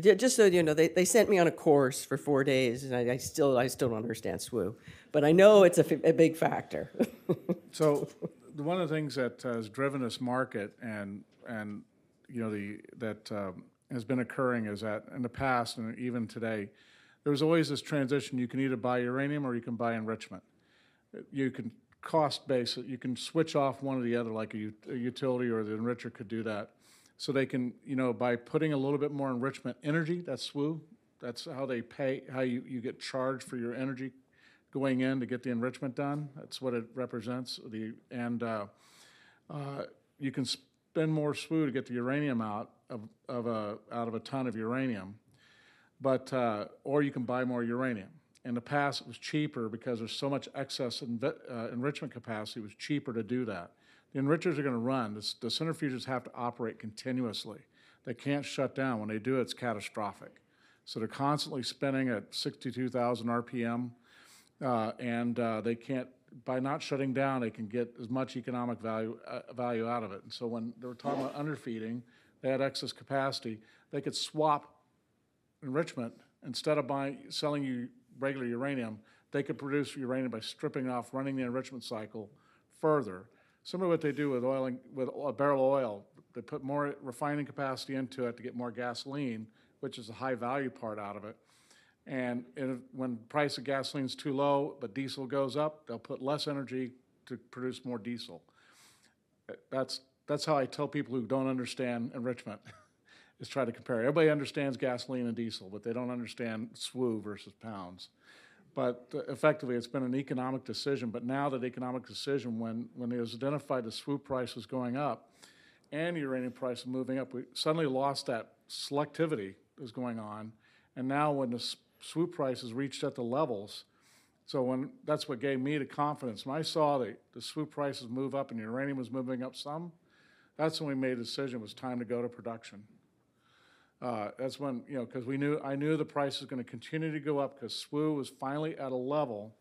Just so you know, they sent me on a course for four days. And I still don't understand SWU. But I know it's a big factor. One of the things that has driven this market and that has been occurring is that in the past and even today, there was always this transition. You can either buy uranium, or you can buy enrichment. You can switch off one or the other, like a utility or the enricher could do that. By putting a little bit more enrichment energy, that's SWU. That's how they pay how you get charged for your energy going in to get the enrichment done. That's what it represents. You can spend more SWU to get the uranium out of a ton of uranium, or you can buy more uranium. In the past, it was cheaper because there's so much excess enrichment capacity. It was cheaper to do that. The enrichers are going to run. The centrifuges have to operate continuously. They can't shut down. When they do it, it's catastrophic. So they're constantly spinning at 62,000 RPM. And by not shutting down, they can get as much economic value out of it. And so when they were talking about underfeeding, they had excess capacity. They could swap enrichment. Instead of selling you regular uranium, they could produce uranium by stripping off, running the enrichment cycle further, similar to what they do with barrel oil. They put more refining capacity into it to get more gasoline, which is a high-value part out of it. And when the price of gasoline is too low, but diesel goes up, they'll put less energy to produce more diesel. That's how I tell people who don't understand enrichment is try to compare. Everybody understands gasoline and diesel. But they don't understand SWU versus pounds. But effectively, it's been an economic decision. But now that economic decision, when it was identified the SWU price was going up and uranium price was moving up, we suddenly lost that selectivity that was going on. And now when the SWU price has reached at the levels so that's what gave me the confidence. When I saw the SWU prices move up and uranium was moving up some, that's when we made a decision. It was time to go to production. That's when because I knew the price was going to continue to go up because SWU was finally at a level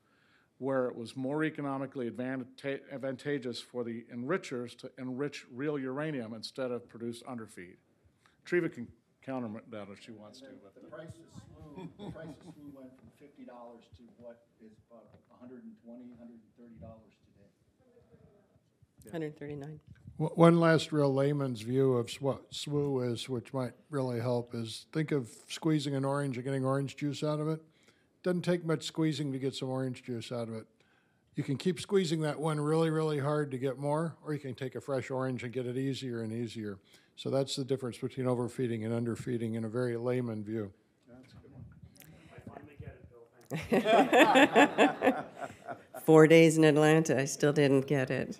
where it was more economically advantageous for the enrichers to enrich real uranium instead of produce underfeed. Treva can counter that if she wants to. The price of SWU went from $50 to what is about $120-$130 today? $139. $139. One last real layman's view of what SWU is, which might really help, is think of squeezing an orange and getting orange juice out of it. It doesn't take much squeezing to get some orange juice out of it. You can keep squeezing that one really, really hard to get more. Or you can take a fresh orange and get it easier and easier. So that's the difference between overfeeding and underfeeding in a very layman's view. That's a good one. I finally get it, Bill. Thank you. Four days in Atlanta. I still didn't get it.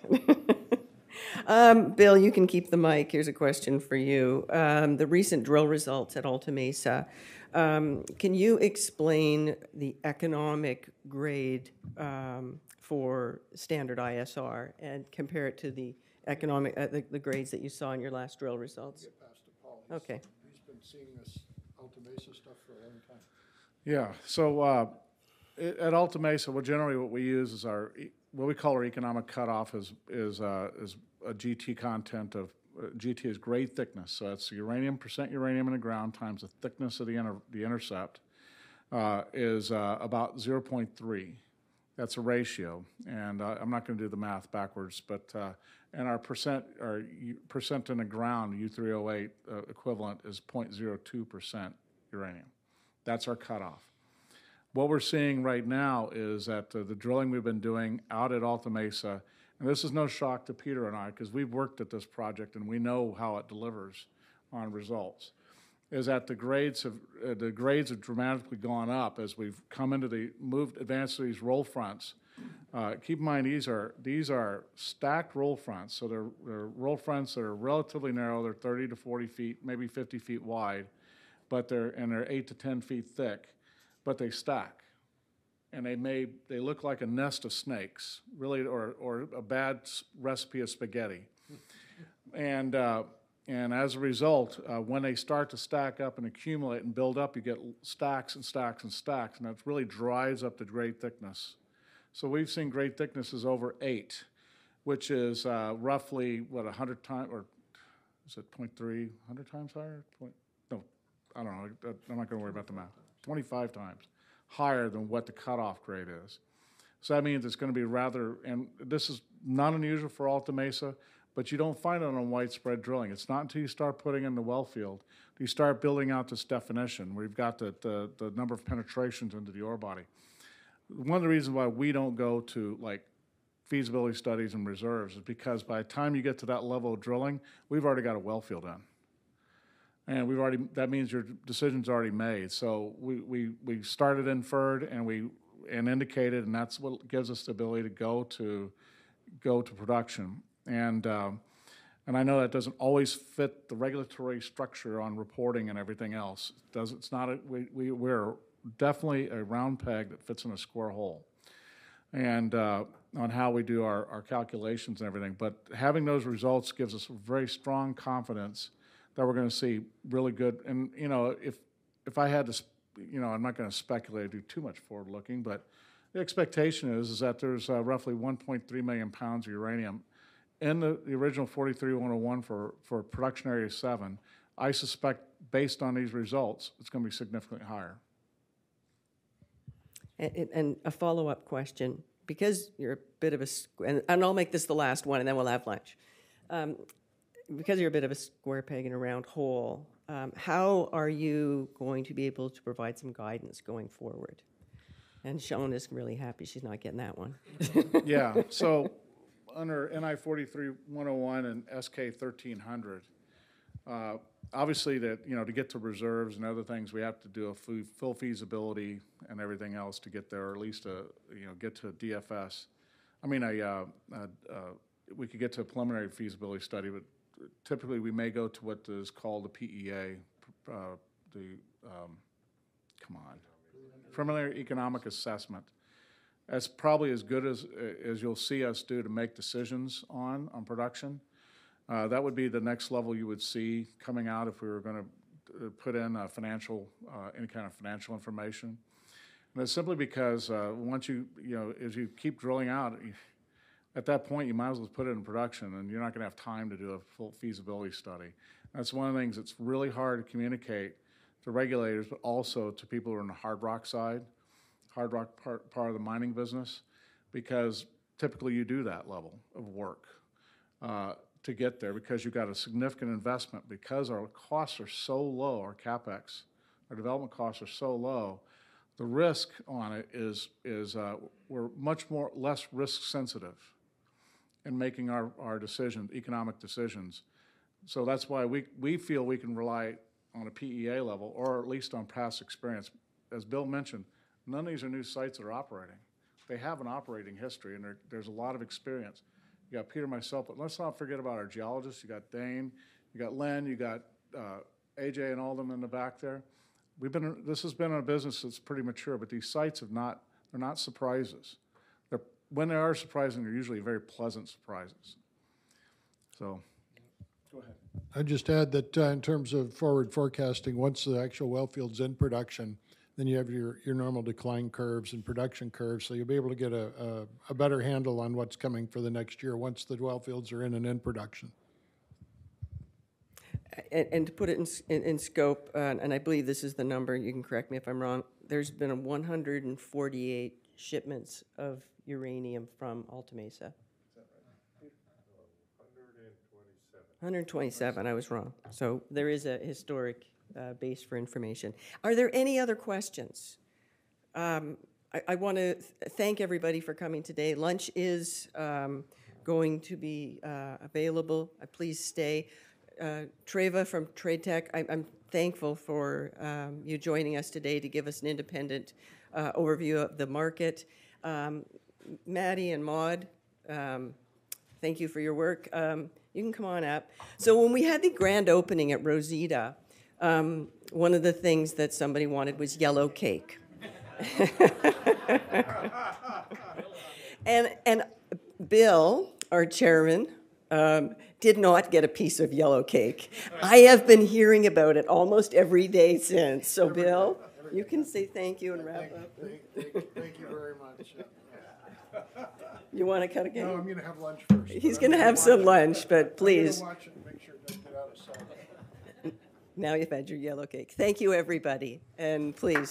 Bill, you can keep the mic. Here's a question for you. The recent drill results at Alta Mesa, can you explain the economic grade for standard ISR and compare it to the grades that you saw in your last drill results? Get past it, Paul. He's been seeing this Alta Mesa stuff for a long time. Yeah. So at Alta Mesa, generally, what we use is what we call our economic cutoff is a GT content of GT is grade thickness. So that's the percent uranium in the ground times the thickness of the intercept is about 0.3. That's a ratio. And I'm not going to do the math backwards. But in our percent in the ground, U3O8 equivalent is 0.02% uranium. That's our cutoff. What we're seeing right now is that the drilling we've been doing out at Alta Mesa and this is no shock to Peter and I because we've worked at this project, and we know how it delivers on results is that the grades have dramatically gone up as we've come into the more advanced to these roll fronts. Keep in mind, these are stacked roll fronts. So they're roll fronts that are relatively narrow. They're 30-40 feet, maybe 50 feet wide. They're 8-10 feet thick. But they stack. And they look like a nest of snakes or a bad recipe of spaghetti. And as a result, when they start to stack up and accumulate and build up, you get stacks and stacks and stacks. And that really dries up to great thickness. So we've seen great thicknesses over 8, which is roughly, what, 100 times or is it 0.3, 100 times higher? No, I don't know. I'm not going to worry about the math. 25 times higher than what the cutoff grade is. So that means it's going to be rather and this is not unusual for Alta Mesa. But you don't find it on widespread drilling. It's not until you start putting in the well field that you start building out this definition, where you've got the number of penetrations into the ore body. One of the reasons why we don't go to feasibility studies and reserves is because by the time you get to that level of drilling, we've already got a well field in. And that means your decision's already made. So we started inferred and indicated. And that's what gives us the ability to go to production. And I know that doesn't always fit the regulatory structure on reporting and everything else. We're definitely a round peg that fits in a square hole on how we do our calculations and everything. But having those results gives us very strong confidence that we're going to see really good, and if I had to, I'm not going to speculate. I do too much forward looking. But the expectation is that there's roughly 1.3 million pounds of uranium in the original 43-101 for Production Area 7. I suspect, based on these results, it's going to be significantly higher. A follow-up question because you're a bit of a and I'll make this the last one. Then we'll have lunch. Because you're a bit of a square peg and a round hole, how are you going to be able to provide some guidance going forward? And Shona is really happy. She's not getting that one. Yeah. So under NI 43-101 and S-K 1300, obviously, to get to reserves and other things, we have to do a full feasibility and everything else to get there, or at least get to DFS. I mean, we could get to a preliminary feasibility study. But typically, we may go to what is called a PEA, the come on, preliminary economic assessment, as probably as good as you'll see us do to make decisions on production. That would be the next level you would see coming out if we were going to put in any kind of financial information. And that's simply because as you keep drilling out, at that point, you might as well put it in production. And you're not going to have time to do a full feasibility study. That's one of the things that's really hard to communicate to regulators, but also to people who are on the hard rock side, hard rock part of the mining business because typically, you do that level of work to get there because you've got a significant investment. Because our costs are so low, our CapEx, our development costs are so low, the risk on it is we're much less risk sensitive in making our economic decisions. So that's why we feel we can rely on a PEA level or at least on past experience. As Bill mentioned, none of these are new sites that are operating. They have an operating history. And there's a lot of experience. You've got Peter, myself. Let's not forget about our geologists. You've got Dane. You've got Len. You've got A.J. and Alden in the back there. This has been a business that's pretty mature. But these sites are not surprises. When they are surprising, they're usually very pleasant surprises. Go ahead. I'd just add that in terms of forward forecasting, once the actual well field's in production, then you have your normal decline curves and production curves. So you'll be able to get a better handle on what's coming for the next year once the well fields are in and in production. To put it in scope, and I believe this is the number. You can correct me if I'm wrong. There's been 148 shipments of uranium from Alta Mesa. Is that right? Peter. 127. I was wrong. So there is a historic base for information. Are there any other questions? I want to thank everybody for coming today. Lunch is going to be available. Please stay. Treva from TradeTech, I'm thankful for you joining us today to give us an independent overview of the market. Maddie and Maud, thank you for your work. You can come on up. So when we had the grand opening at Rosita, one of the things that somebody wanted was Yellow Cake. And Bill, our chairman, did not get a piece of Yellow Cake. I have been hearing about it almost every day since. So Bill, you can say thank you and wrap up. Thank you very much. You want to cut again? No, I'm going to have lunch first. He's going to have some lunch. But please. You watch it and make sure to get out of sight. Now you've had your Yellow Cake. Thank you, everybody. And please.